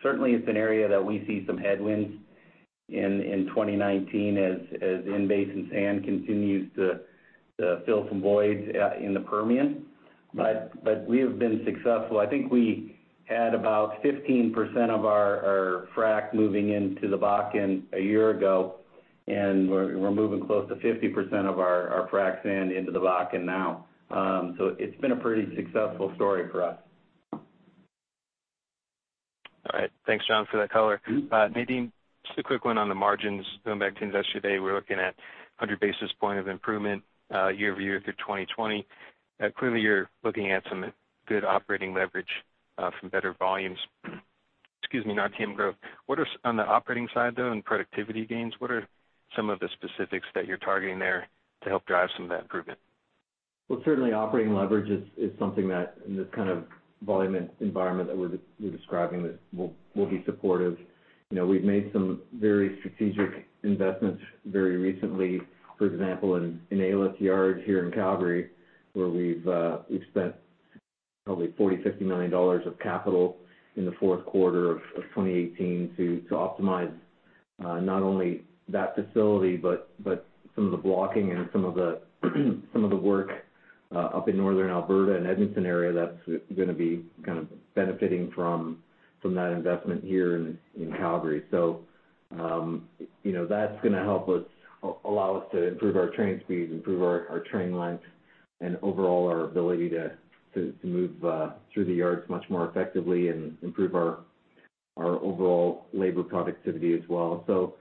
Certainly, it's an area that we see some headwinds in 2019 as in-basin sand continues to fill some voids in the Permian. But we have been successful. I think we had about 15% of our frac moving into the Bakken a year ago, and we're moving close to 50% of our frac sand into the Bakken now. So it's been a pretty successful story for us. All right. Thanks, John, for that color. Maybe just a quick one on the margins. Going back to yesterday, we're looking at 100 basis points of improvement year-over-year through 2020. Clearly, you're looking at some good operating leverage from better volumes, excuse me, not volume growth. On the operating side, though, and productivity gains, what are some of the specifics that you're targeting there to help drive some of that improvement? Well, certainly operating leverage is something that, in this kind of volume environment that we're describing, will be supportive. You know, we've made some very strategic investments very recently. For example, in Alyth Yard here in Calgary, where we've spent probably $40-$50 million of capital in the fourth quarter of 2018 to optimize not only that facility, but some of the blocking and some of the work up in Northern Alberta and Edmonton area, that's gonna be kind of benefiting from that investment here in Calgary. So, you know, that's gonna help us allow us to improve our train speed, improve our train length, and overall, our ability to move through the yards much more effectively and improve our overall labor productivity as well. So,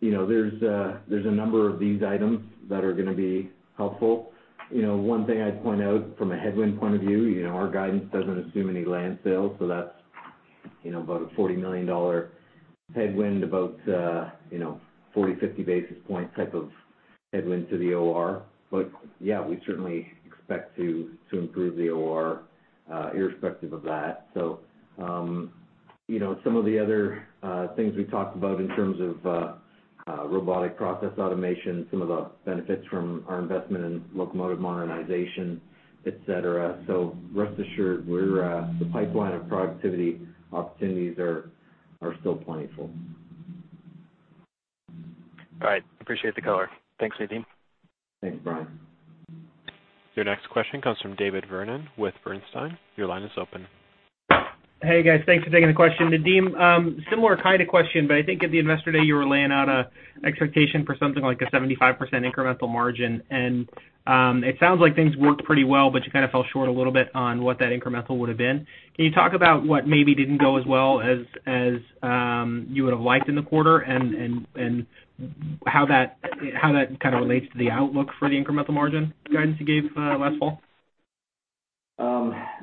you know, there's a number of these items that are gonna be helpful. You know, one thing I'd point out from a headwind point of view, you know, our guidance doesn't assume any land sales, so that's, you know, about a $40 million headwind, about 40-50 basis point type of headwind to the OR. But yeah, we certainly expect to improve the OR irrespective of that. So, you know, some of the other, things we talked about in terms of, robotic process automation, some of the benefits from our investment in locomotive modernization, et cetera. Rest assured, we're the pipeline of productivity opportunities are still plentiful. All right, appreciate the color. Thanks, Nadeem. Thanks, Brian. Your next question comes from David Vernon with Bernstein. Your line is open. Hey, guys. Thanks for taking the question. Nadeem, similar kind of question, but I think at the Investor Day, you were laying out an expectation for something like a 75% incremental margin. It sounds like things worked pretty well, but you kind of fell short a little bit on what that incremental would have been. Can you talk about what maybe didn't go as well as you would have liked in the quarter, and how that kind of relates to the outlook for the incremental margin guidance you gave last fall?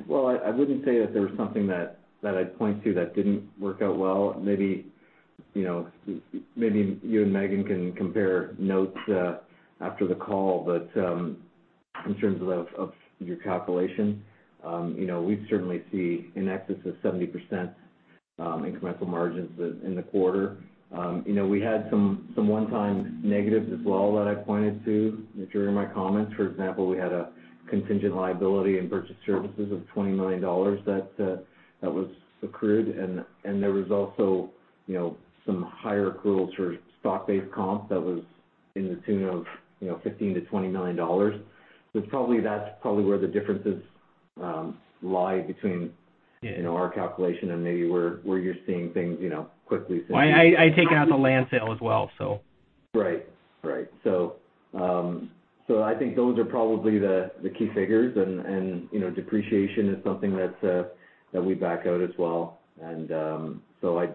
Well, I wouldn't say that there was something that I'd point to that didn't work out well. Maybe, you know, maybe you and Maeghan can compare notes after the call. But in terms of your calculation, you know, we certainly see in excess of 70% incremental margins in the quarter. You know, we had some one-time negatives as well that I pointed to, if you read my comments. For example, we had a contingent liability and purchased services of $20 million that was accrued, and there was also, you know, some higher accruals for stock-based comp that was to the tune of, you know, $15 million-$20 million. So it's probably—that's probably where the differences lie between you know, our calculation and maybe where, where you're seeing things, you know, quickly since- I take it out the land sale as well, so. Right. Right. So, I think those are probably the key figures and, you know, depreciation is something that we back out as well. And, so I,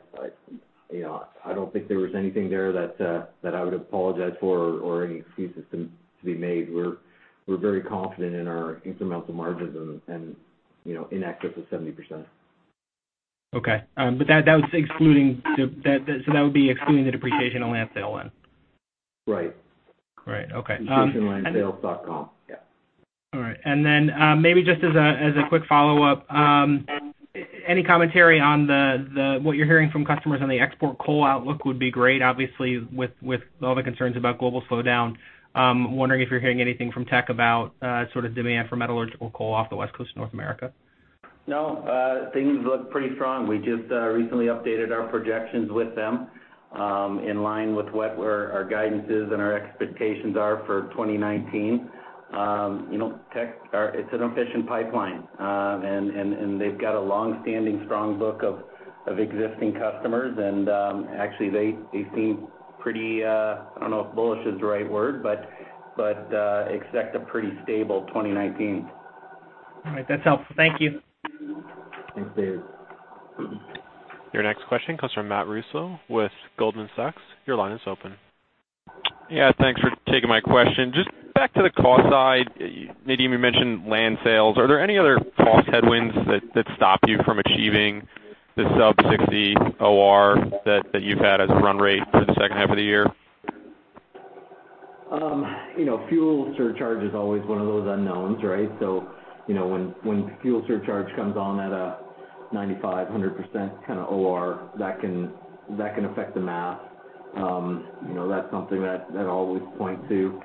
you know, I don't think there was anything there that I would apologize for or any excuses to be made. We're very confident in our incremental margins and, you know, in excess of 70%. Okay. But that, that was excluding the... That, so that would be excluding the depreciation on land sale then? Right. Right. Okay, Depreciation, land sales, stock comp. Yeah. All right. And then, maybe just as a quick follow-up, any commentary on what you're hearing from customers on the export coal outlook would be great. Obviously, with all the concerns about global slowdown, wondering if you're hearing anything from Teck about sort of demand for metallurgical coal off the West Coast of North America? No, things look pretty strong. We just recently updated our projections with them in line with what our guidances and our expectations are for 2019. You know, Teck is an efficient pipeline. And they've got a long-standing strong book of existing customers, and actually, they seem pretty. I don't know if bullish is the right word, but expect a pretty stable 2019. All right. That's helpful. Thank you. Thanks, David. Your next question comes from Matt Reustle with Goldman Sachs. Your line is open. Yeah, thanks for taking my question. Just back to the cost side, Nadeem, you mentioned land sales. Are there any other cost headwinds that stop you from achieving the sub-60 OR that you've had as a run rate for the second half of the year? You know, fuel surcharge is always one of those unknowns, right? So, you know, when fuel surcharge comes on at a 95%-100% kind of OR, that can affect the math. You know, that's something that I always point to.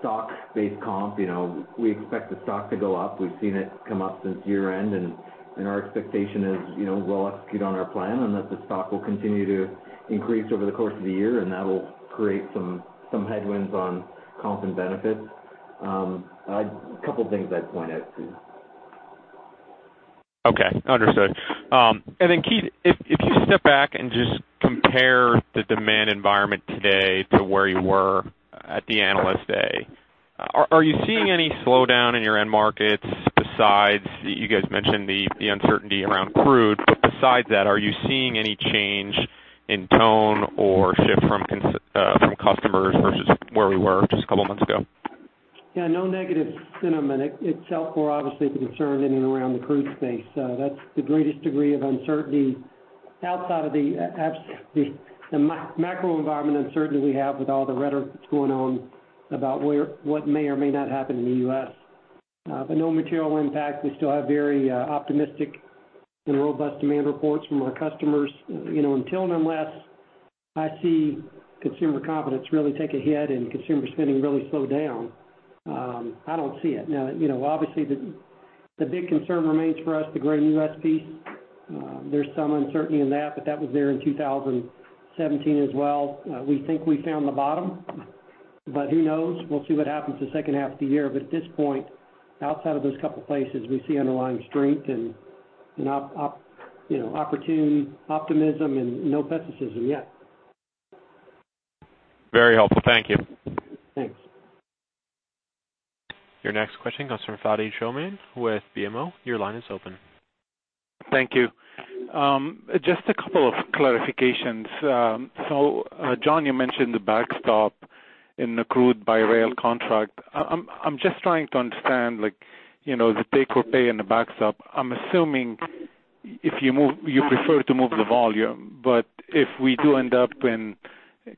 Stock-based comp, you know, we expect the stock to go up. We've seen it come up since year-end, and our expectation is, you know, we'll execute on our plan and that the stock will continue to increase over the course of the year, and that will create some headwinds on comp and benefits. A couple things I'd point out to. Okay, understood. And then, Keith, if you step back and just compare the demand environment today to where you were at the Analyst Day, are you seeing any slowdown in your end markets besides, you guys mentioned the uncertainty around crude, but besides that, are you seeing any change in tone or shift from customers versus where we were just a couple months ago? Yeah, no negative sentiment. It's we're obviously concerned in and around the crude space. That's the greatest degree of uncertainty outside of the the macro environment uncertainty we have with all the rhetoric that's going on about where, what may or may not happen in the U.S. But no material impact. We still have very, optimistic and robust demand reports from our customers. You know, until and unless I see consumer confidence really take a hit and consumer spending really slow down, I don't see it. Now, you know, obviously, the big concern remains for us, the gray U.S. piece. There's some uncertainty in that, but that was there in 2017 as well. We think we found the bottom, but who knows? We'll see what happens the second half of the year. But at this point, outside of those couple places, we see underlying strength and opportunity, you know, optimism and no pessimism yet. Very helpful. Thank you. Thanks. Your next question comes from Fadi Chamoun with BMO. Your line is open. Thank you. Just a couple of clarifications. So, John, you mentioned the backstop in the crude by rail contract. I'm just trying to understand, like, you know, the take or pay and the backstop. I'm assuming if you move you prefer to move the volume, but if we do end up in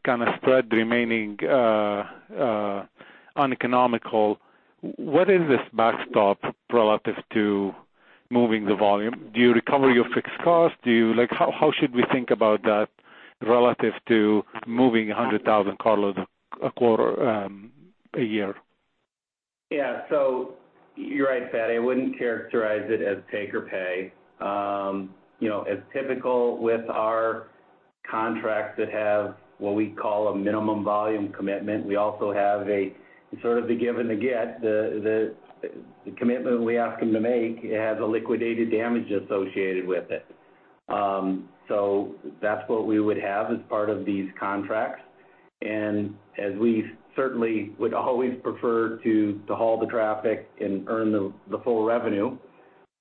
kind of spread remaining uneconomical, what is this backstop relative to moving the volume? Do you recover your fixed costs? Do you—like, how should we think about that relative to moving 100,000 carload a quarter a year? Yeah, so you're right, Fadi, I wouldn't characterize it as take or pay. You know, as typical with our contracts that have what we call a minimum volume commitment, we also have a sort of the give and the get, the commitment we ask them to make, it has a liquidated damage associated with it. So that's what we would have as part of these contracts. And as we certainly would always prefer to haul the traffic and earn the full revenue,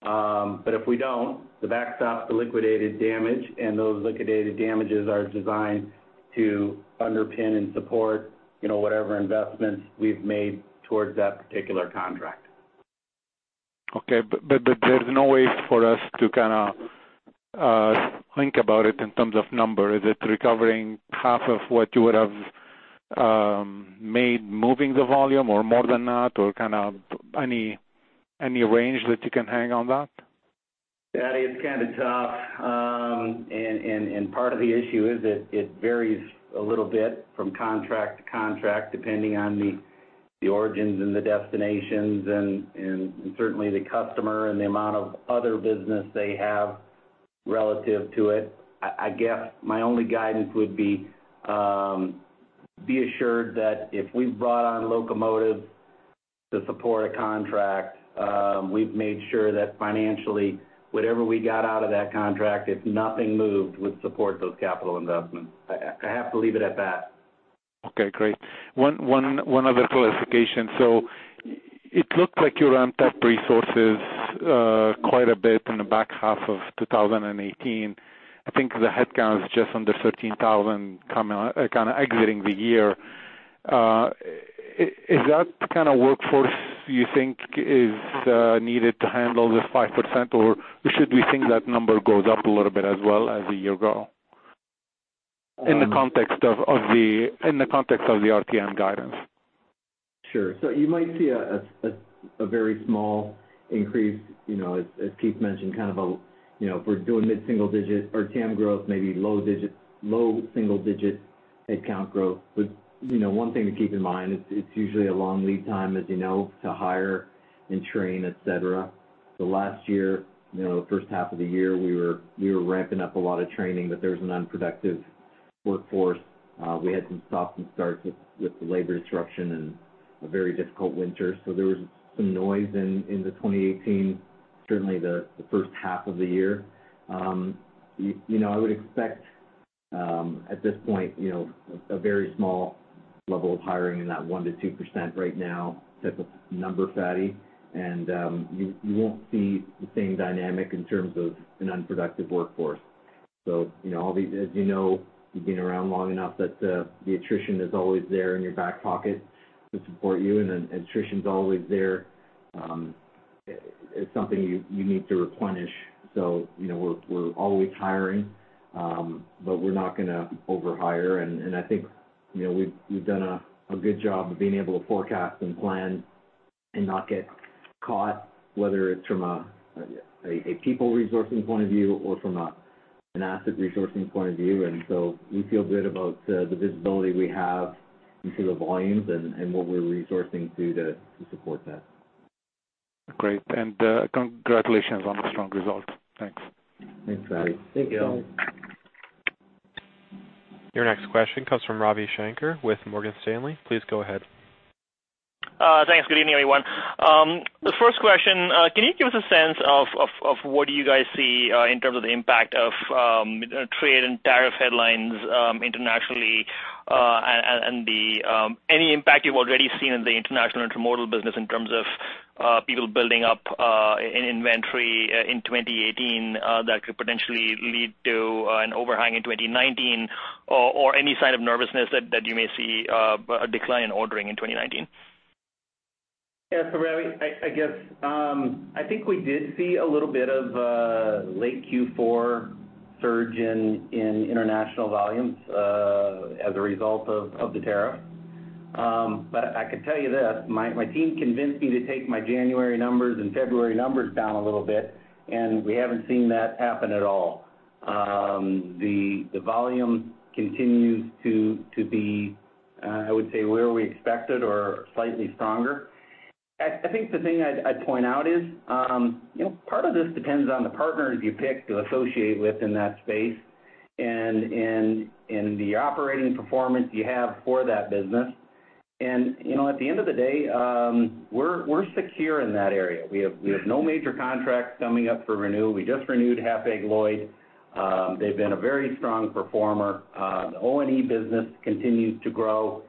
but if we don't, the backstop, the liquidated damage, and those liquidated damages are designed to underpin and support, you know, whatever investments we've made towards that particular contract. Okay, but there's no way for us to kind of think about it in terms of number. Is it recovering half of what you would have made moving the volume or more than that, or kind of any range that you can hang on that? Fadi, it's kind of tough. Part of the issue is that it varies a little bit from contract to contract, depending on the origins and the destinations, and certainly the customer and the amount of other business they have relative to it. I guess, my only guidance would be, be assured that if we've brought on locomotives to support a contract, we've made sure that financially, whatever we got out of that contract, if nothing moved, would support those capital investments. I have to leave it at that. Okay, great. One other clarification. So it looked like you ramped up resources quite a bit in the back half of 2018. I think the headcount is just under 13,000 coming- kind of exiting the year. Is that the kind of workforce you think is needed to handle the 5%, or should we think that number goes up a little bit as well as a year ago? In the context of the- in the context of the RTM guidance. Sure. So you might see a very small increase, you know, as Keith mentioned, kind of a, you know, if we're doing mid-single digit RTM growth, maybe low digits-low single digit headcount growth. But, you know, one thing to keep in mind, it's usually a long lead time, as you know, to hire and train, et cetera. The last year, you know, first half of the year, we were ramping up a lot of training, but there was an unproductive workforce. We had some stop and starts with the labor disruption and a very difficult winter. So there was some noise in the 2018, certainly the first half of the year. You know, I would expect, at this point, you know, a very small level of hiring in that 1%-2% right now, type of number, Fadi. And, you won't see the same dynamic in terms of an unproductive workforce. So, you know, all these, as you know, you've been around long enough that, the attrition is always there in your back pocket to support you, and then attrition is always there, it's something you need to replenish. So, you know, we're always hiring, but we're not gonna overhire. And, I think, you know, we've done a good job of being able to forecast and plan and not get caught, whether it's from a people resourcing point of view or from an asset resourcing point of view. And so we feel good about the visibility we have into the volumes and what we're resourcing to support that. Great, and, congratulations on the strong results. Thanks. Thanks, Fadi. Thank you. Your next question comes from Ravi Shanker with Morgan Stanley. Please go ahead. Thanks. Good evening, everyone. The first question, can you give us a sense of what you guys see in terms of the impact of trade and tariff headlines internationally, and any impact you've already seen in the international Intermodal business in terms of people building up in inventory in 2018 that could potentially lead to an overhang in 2019, or any sign of nervousness that you may see a decline in ordering in 2019? Yeah, so Ravi, I, I guess, I think we did see a little bit of, late Q4 surge in, in international volumes, as a result of, of the tariff. But I could tell you this, my, my team convinced me to take my January numbers and February numbers down a little bit, and we haven't seen that happen at all. The, the volume continues to, to be, I would say, where we expected or slightly stronger. I, I think the thing I'd, I'd point out is, you know, part of this depends on the partners you pick to associate with in that space, and in, and the operating performance you have for that business. And, you know, at the end of the day, we're, we're secure in that area. We have- we have no major contracts coming up for renewal. We just renewed Hapag-Lloyd. They've been a very strong performer. The O&E business continues to grow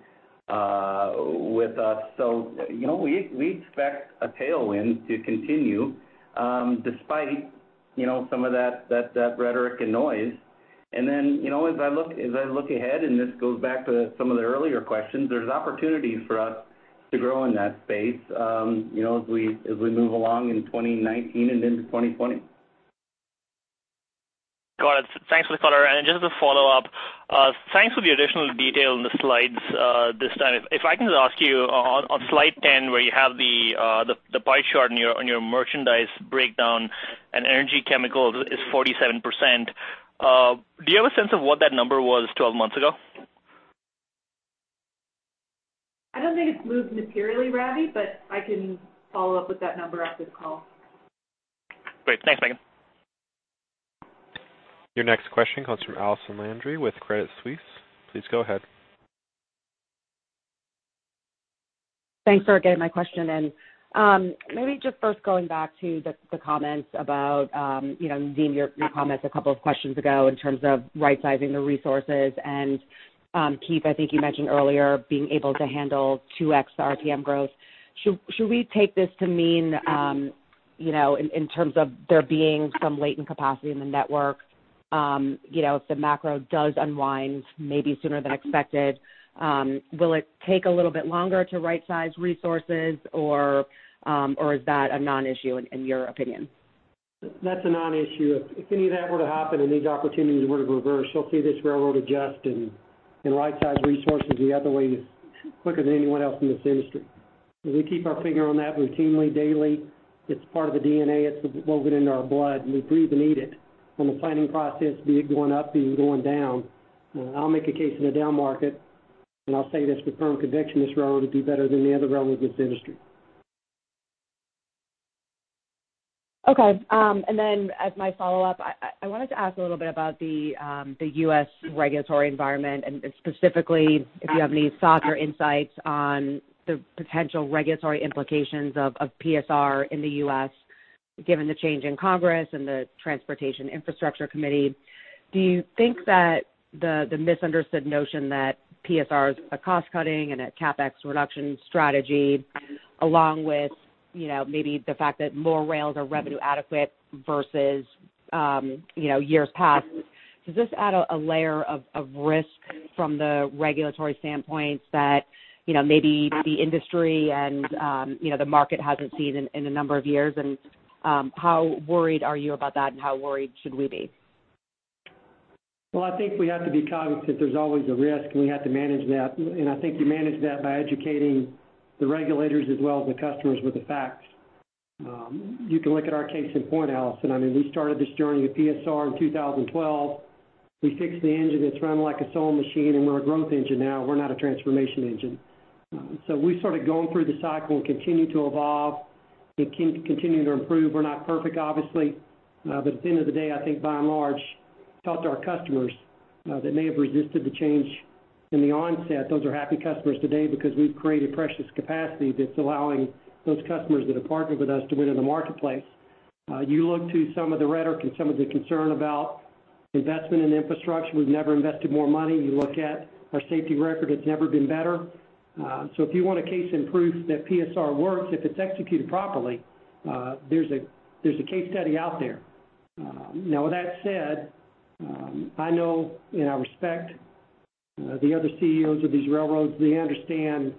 with us. So, you know, we expect a tailwind to continue despite, you know, some of that rhetoric and noise. And then, you know, as I look ahead, and this goes back to some of the earlier questions, there's opportunities for us to grow in that space, you know, as we move along in 2019 and into 2020. Got it. Thanks for the color. Just to follow up, thanks for the additional detail in the slides this time. If I can just ask you on slide 10, where you have the pie chart on your merchandise breakdown and energy chemicals is 47%, do you have a sense of what that number was 12 months ago? I don't think it's moved materially, Ravi, but I can follow up with that number after the call. Great. Thanks, Maeghan. Your next question comes from Allison Landry with Credit Suisse. Please go ahead. Thanks for taking my question. Maybe just first going back to the comments about, you know, Nadeem, your comments a couple of questions ago in terms of right-sizing the resources, and, Keith, I think you mentioned earlier being able to handle 2x RTM growth. Should we take this to mean, you know, in terms of there being some latent capacity in the network, you know, if the macro does unwind, maybe sooner than expected, will it take a little bit longer to right-size resources, or is that a non-issue in your opinion? That's a non-issue. If, if any of that were to happen and these opportunities were to reverse, you'll see this railroad adjust and, and right-size resources the other way quicker than anyone else in this industry. We keep our finger on that routinely, daily. It's part of the DNA, it's woven into our blood, and we breathe and eat it from a planning process, be it going up, be it going down. I'll make a case in a down market, and I'll say this with firm conviction, this railroad will do better than the other railroads in this industry. Okay, and then as my follow-up, I wanted to ask a little bit about the U.S. regulatory environment and specifically, if you have any sort of insights on the potential regulatory implications of PSR in the U.S., given the change in Congress and the Transportation Infrastructure Committee. Do you think that the misunderstood notion that PSR is a cost cutting and a CapEx reduction strategy, along with, you know, maybe the fact that more rails are revenue adequate versus years past, does this add a layer of risk from the regulatory standpoint that, you know, maybe the industry and the market hasn't seen in a number of years? And how worried are you about that, and how worried should we be? Well, I think we have to be cognizant there's always a risk, and we have to manage that. And I think you manage that by educating the regulators as well as the customers with the facts. You can look at our case in point, Allison. I mean, we started this journey with PSR in 2012. We fixed the engine, it's running like a sewing machine, and we're a growth engine now, we're not a transformation engine. So we started going through the cycle and continue to evolve and keep continuing to improve. We're not perfect, obviously, but at the end of the day, I think by and large, talk to our customers, that may have resisted the change in the onset. Those are happy customers today because we've created precious capacity that's allowing those customers that have partnered with us to win in the marketplace. You look to some of the rhetoric and some of the concern about investment in infrastructure. We've never invested more money. You look at our safety record. It's never been better. So if you want a case in proof that PSR works, if it's executed properly, there's a case study out there. Now, with that said, I know and I respect the other CEOs of these railroads. They understand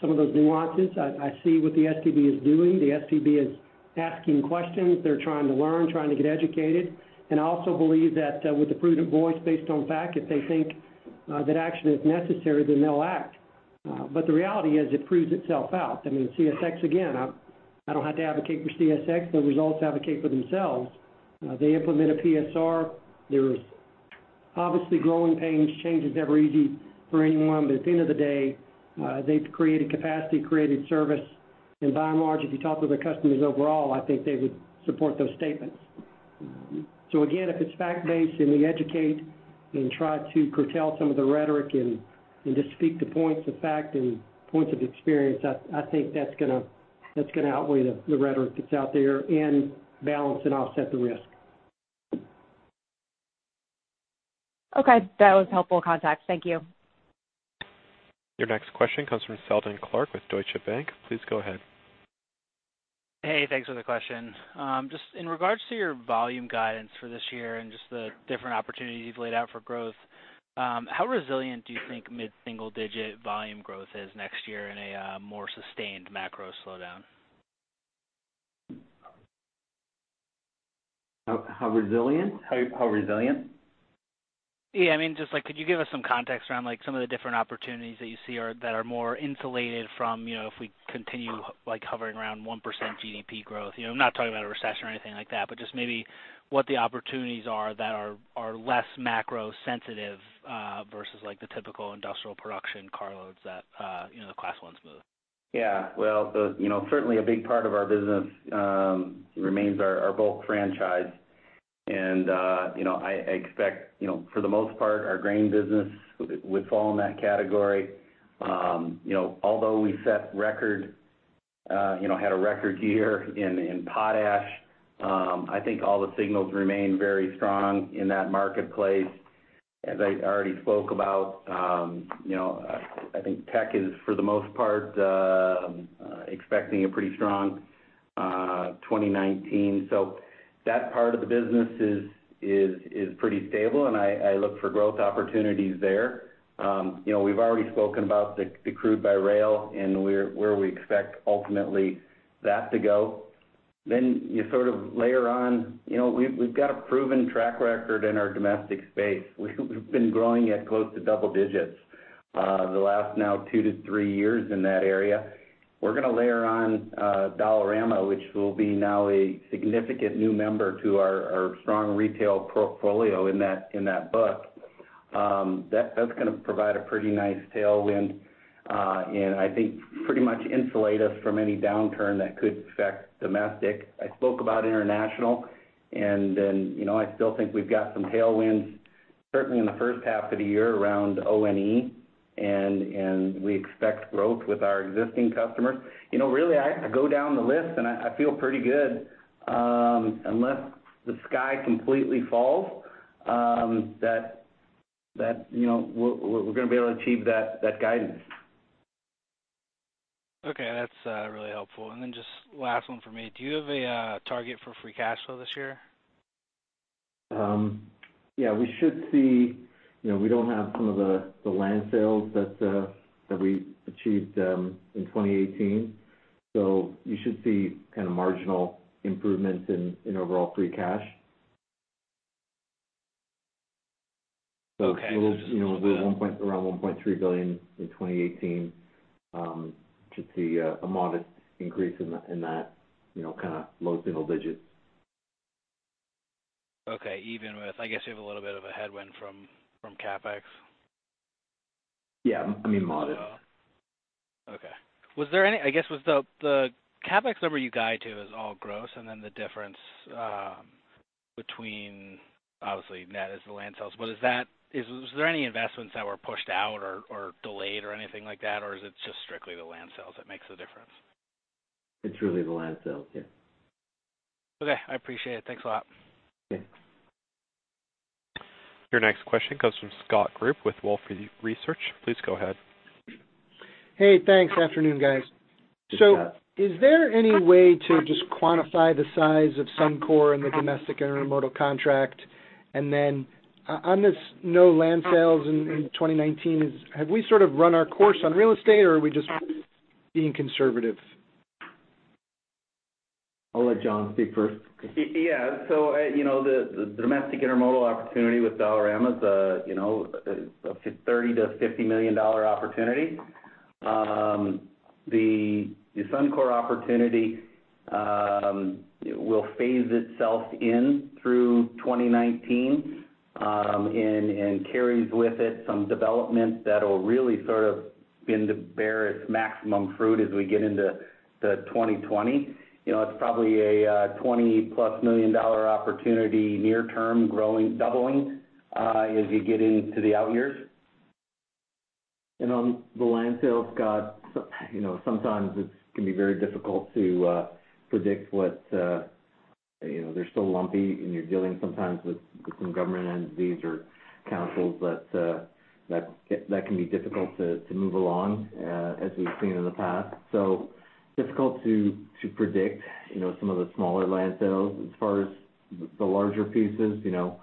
some of those nuances. I see what the STB is doing. The STB is asking questions. They're trying to learn, trying to get educated. I also believe that, with the prudent voice, based on fact, if they think that action is necessary, then they'll act. But the reality is, it proves itself out. I mean, CSX, again, I don't have to advocate for CSX, the results advocate for themselves. They implemented PSR. There was obviously growing pains. Change is never easy for anyone, but at the end of the day, they've created capacity, created service, and by and large, if you talk to their customers overall, I think they would support those statements. So again, if it's fact-based and we educate and try to curtail some of the rhetoric and just speak to points of fact and points of experience, I think that's gonna outweigh the rhetoric that's out there and balance and offset the risk. Okay. That was helpful context. Thank you. Your next question comes from Seldon Clarke with Deutsche Bank. Please go ahead. Hey, thanks for the question. Just in regards to your volume guidance for this year and just the different opportunities you've laid out for growth, how resilient do you think mid-single digit volume growth is next year in a more sustained macro slowdown? How resilient? Yeah, I mean, just like, could you give us some context around, like, some of the different opportunities that you see are—that are more insulated from, you know, if we continue, like, hovering around 1% GDP growth? You know, I'm not talking about a recession or anything like that, but just maybe what the opportunities are that are less macro sensitive versus like the typical industrial production carloads that, you know, the Class Is move. Yeah, well, the, you know, certainly a big part of our business remains our, our bulk franchise. And, you know, I, I expect, you know, for the most part, our grain business would fall in that category. You know, although we set record, you know, had a record year in, in potash, I think all the signals remain very strong in that marketplace. As I already spoke about, you know, I think Teck is, for the most part, expecting a pretty strong, 2019. So that part of the business is, is, is pretty stable, and I, I look for growth opportunities there. You know, we've already spoken about the, the crude by rail and where, where we expect ultimately that to go. Then you sort of layer on, you know, we've got a proven track record in our domestic space. We've been growing at close to double digits, the last now 2-3 years in that area. We're gonna layer on, Dollarama, which will be now a significant new member to our strong retail portfolio in that book. That, that's gonna provide a pretty nice tailwind, and I think pretty much insulate us from any downturn that could affect domestic. I spoke about international, and then, you know, I still think we've got some tailwinds, certainly in the first half of the year around ONE, and we expect growth with our existing customers. You know, really, I go down the list, and I feel pretty good, unless the sky completely falls, that you know, we're gonna be able to achieve that guidance. Okay, that's really helpful. And then just last one for me: Do you have a target for free cash flow this year? Yeah, we should see, You know, we don't have some of the land sales that we achieved in 2018, so you should see kind of marginal improvements in overall free cash. Okay. So, you know, we're one point, around $1.3 billion in 2018, should see a modest increase in that, you know, kind of low single digits. Okay, even with, I guess, you have a little bit of a headwind from CapEx? Yeah, I mean, modest. Okay. Was there any—I guess, was the, the CapEx number you guide to is all gross, and then the difference between obviously, net is the land sales. But is that—is, was there any investments that were pushed out or, or delayed or anything like that, or is it just strictly the land sales that makes a difference? It's really the land sales, yeah. Okay, I appreciate it. Thanks a lot. Okay. Your next question comes from Scott Group with Wolfe Research. Please go ahead. Hey, thanks. Afternoon, guys. So is there any way to just quantify the size of Suncor and the domestic intermodal contract? And then on this no land sales in 2019, have we sort of run our course on real estate, or are we just being conservative? I'll let John speak first. Yeah. So, you know, the domestic intermodal opportunity with Dollarama is, you know, a $30 million-$50 million opportunity. The Suncor opportunity will phase itself in through 2019, and carries with it some developments that'll really sort of be in the bear its maximum fruit as we get into the 2020. You know, it's probably a $20+ million dollar opportunity near term, growing, doubling, as you get into the out years. And on the land sales, Scott, you know, sometimes it can be very difficult to predict what, you know, they're still lumpy, and you're dealing sometimes with some government entities or councils that can be difficult to move along, as we've seen in the past. So difficult to predict, you know, some of the smaller land sales. As far as the larger pieces, you know,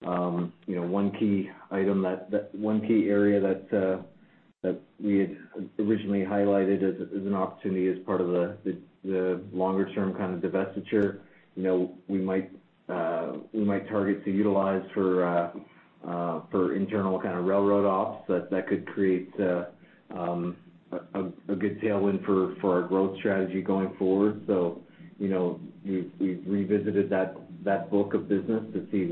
one key area that we had originally highlighted as an opportunity as part of the longer term kind of divestiture, you know, we might target to utilize for internal kind of railroad ops, that could create a good tailwind for our growth strategy going forward. So, you know, we've revisited that book of business to see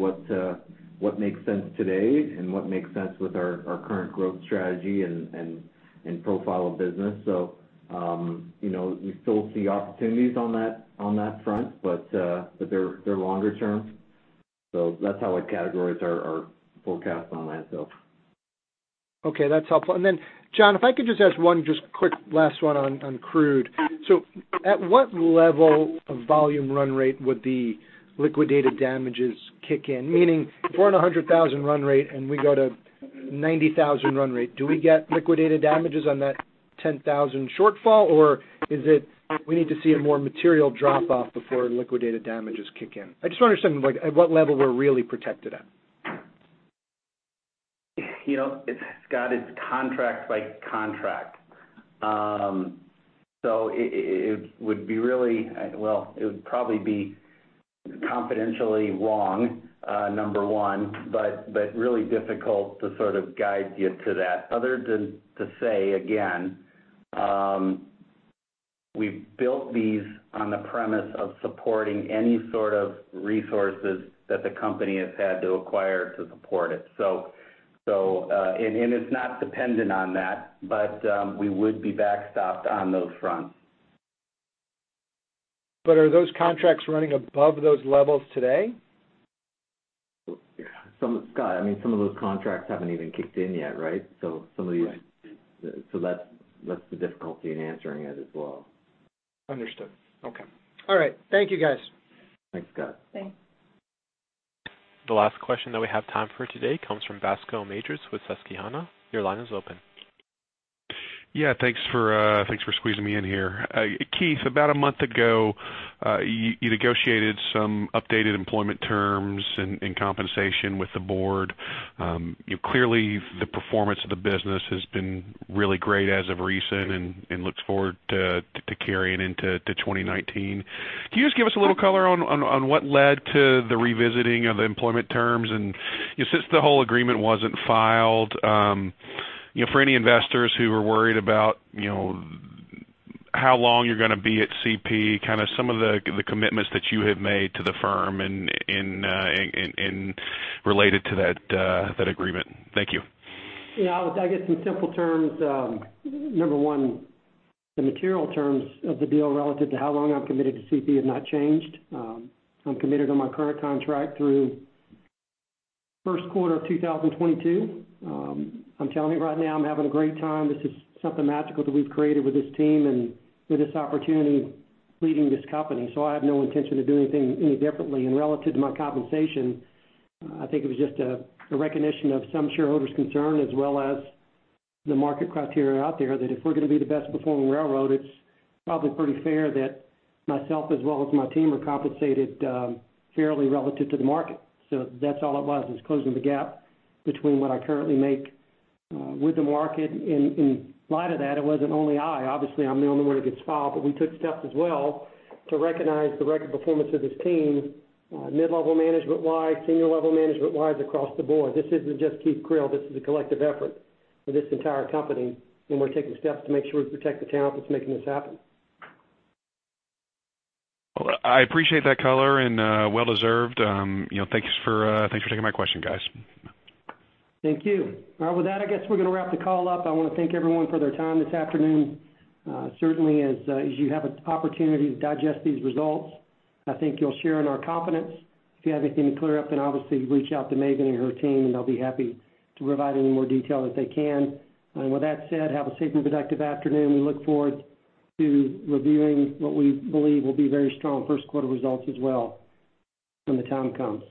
what makes sense today and what makes sense with our current growth strategy and profile of business. So, you know, we still see opportunities on that front, but they're longer term. That's how I'd catgorize our forecast on land sales. Okay, that's helpful. And then, John, if I could just ask one, just quick last one on, on crude. So at what level of volume run rate would the liquidated damages kick in? Meaning, if we're in a 100,000 run rate and we go to 90,000 run rate, do we get liquidated damages on that 10,000 shortfall, or is it, we need to see a more material drop-off before liquidated damages kick in? I just want to understand, like, at what level we're really protected at. You know, it's, Scott, it's contract by contract. So it would be really... Well, it would probably be confidentially wrong, number one, but really difficult to sort of guide you to that, other than to say, again, we've built these on the premise of supporting any sort of resources that the company has had to acquire to support it. So, and it's not dependent on that, but we would be backstopped on those fronts. But are those contracts running above those levels today? Scott, I mean, some of those contracts haven't even kicked in yet, right? So some of these, That's the difficulty in answering it as well. Understood. Okay. All right. Thank you, guys. Thanks, Scott. Thanks. The last question that we have time for today comes from Bascome Majors with Susquehanna. Your line is open. Yeah, thanks for, thanks for squeezing me in here. Keith, about a month ago, you negotiated some updated employment terms and compensation with the board. Clearly, the performance of the business has been really great as of recent and looks forward to carrying into 2019. Can you just give us a little color on what led to the revisiting of the employment terms? And, since the whole agreement wasn't filed, you know, for any investors who were worried about, you know, how long you're gonna be at CP, kind of some of the commitments that you have made to the firm in related to that agreement. Thank you. Yeah, I guess in simple terms, number one, the material terms of the deal relative to how long I'm committed to CP have not changed. I'm committed on my current contract through first quarter of 2022. I'm telling you right now, I'm having a great time. This is something magical that we've created with this team and with this opportunity leading this company. So I have no intention of doing anything any differently. And relative to my compensation, I think it was just a recognition of some shareholders' concern, as well as the market criteria out there, that if we're gonna be the best performing railroad, it's probably pretty fair that myself, as well as my team, are compensated fairly relative to the market. So that's all it was, is closing the gap between what I currently make with the market. In light of that, it wasn't only I. Obviously, I'm the only one who gets filed, but we took steps as well to recognize the record performance of this team, mid-level management-wide, senior level management-wide, across the board. This isn't just Keith Creel, this is a collective effort for this entire company, and we're taking steps to make sure we protect the talent that's making this happen. Well, I appreciate that color, and, well deserved. You know, thanks for taking my question, guys. Thank you. Well, with that, I guess we're gonna wrap the call up. I wanna thank everyone for their time this afternoon. Certainly, as you have an opportunity to digest these results, I think you'll share in our confidence. If you have anything to clear up, then obviously reach out to Maeghan and her team, and they'll be happy to provide any more detail that they can. And with that said, have a safe and productive afternoon. We look forward to reviewing what we believe will be very strong first quarter results as well when the time comes.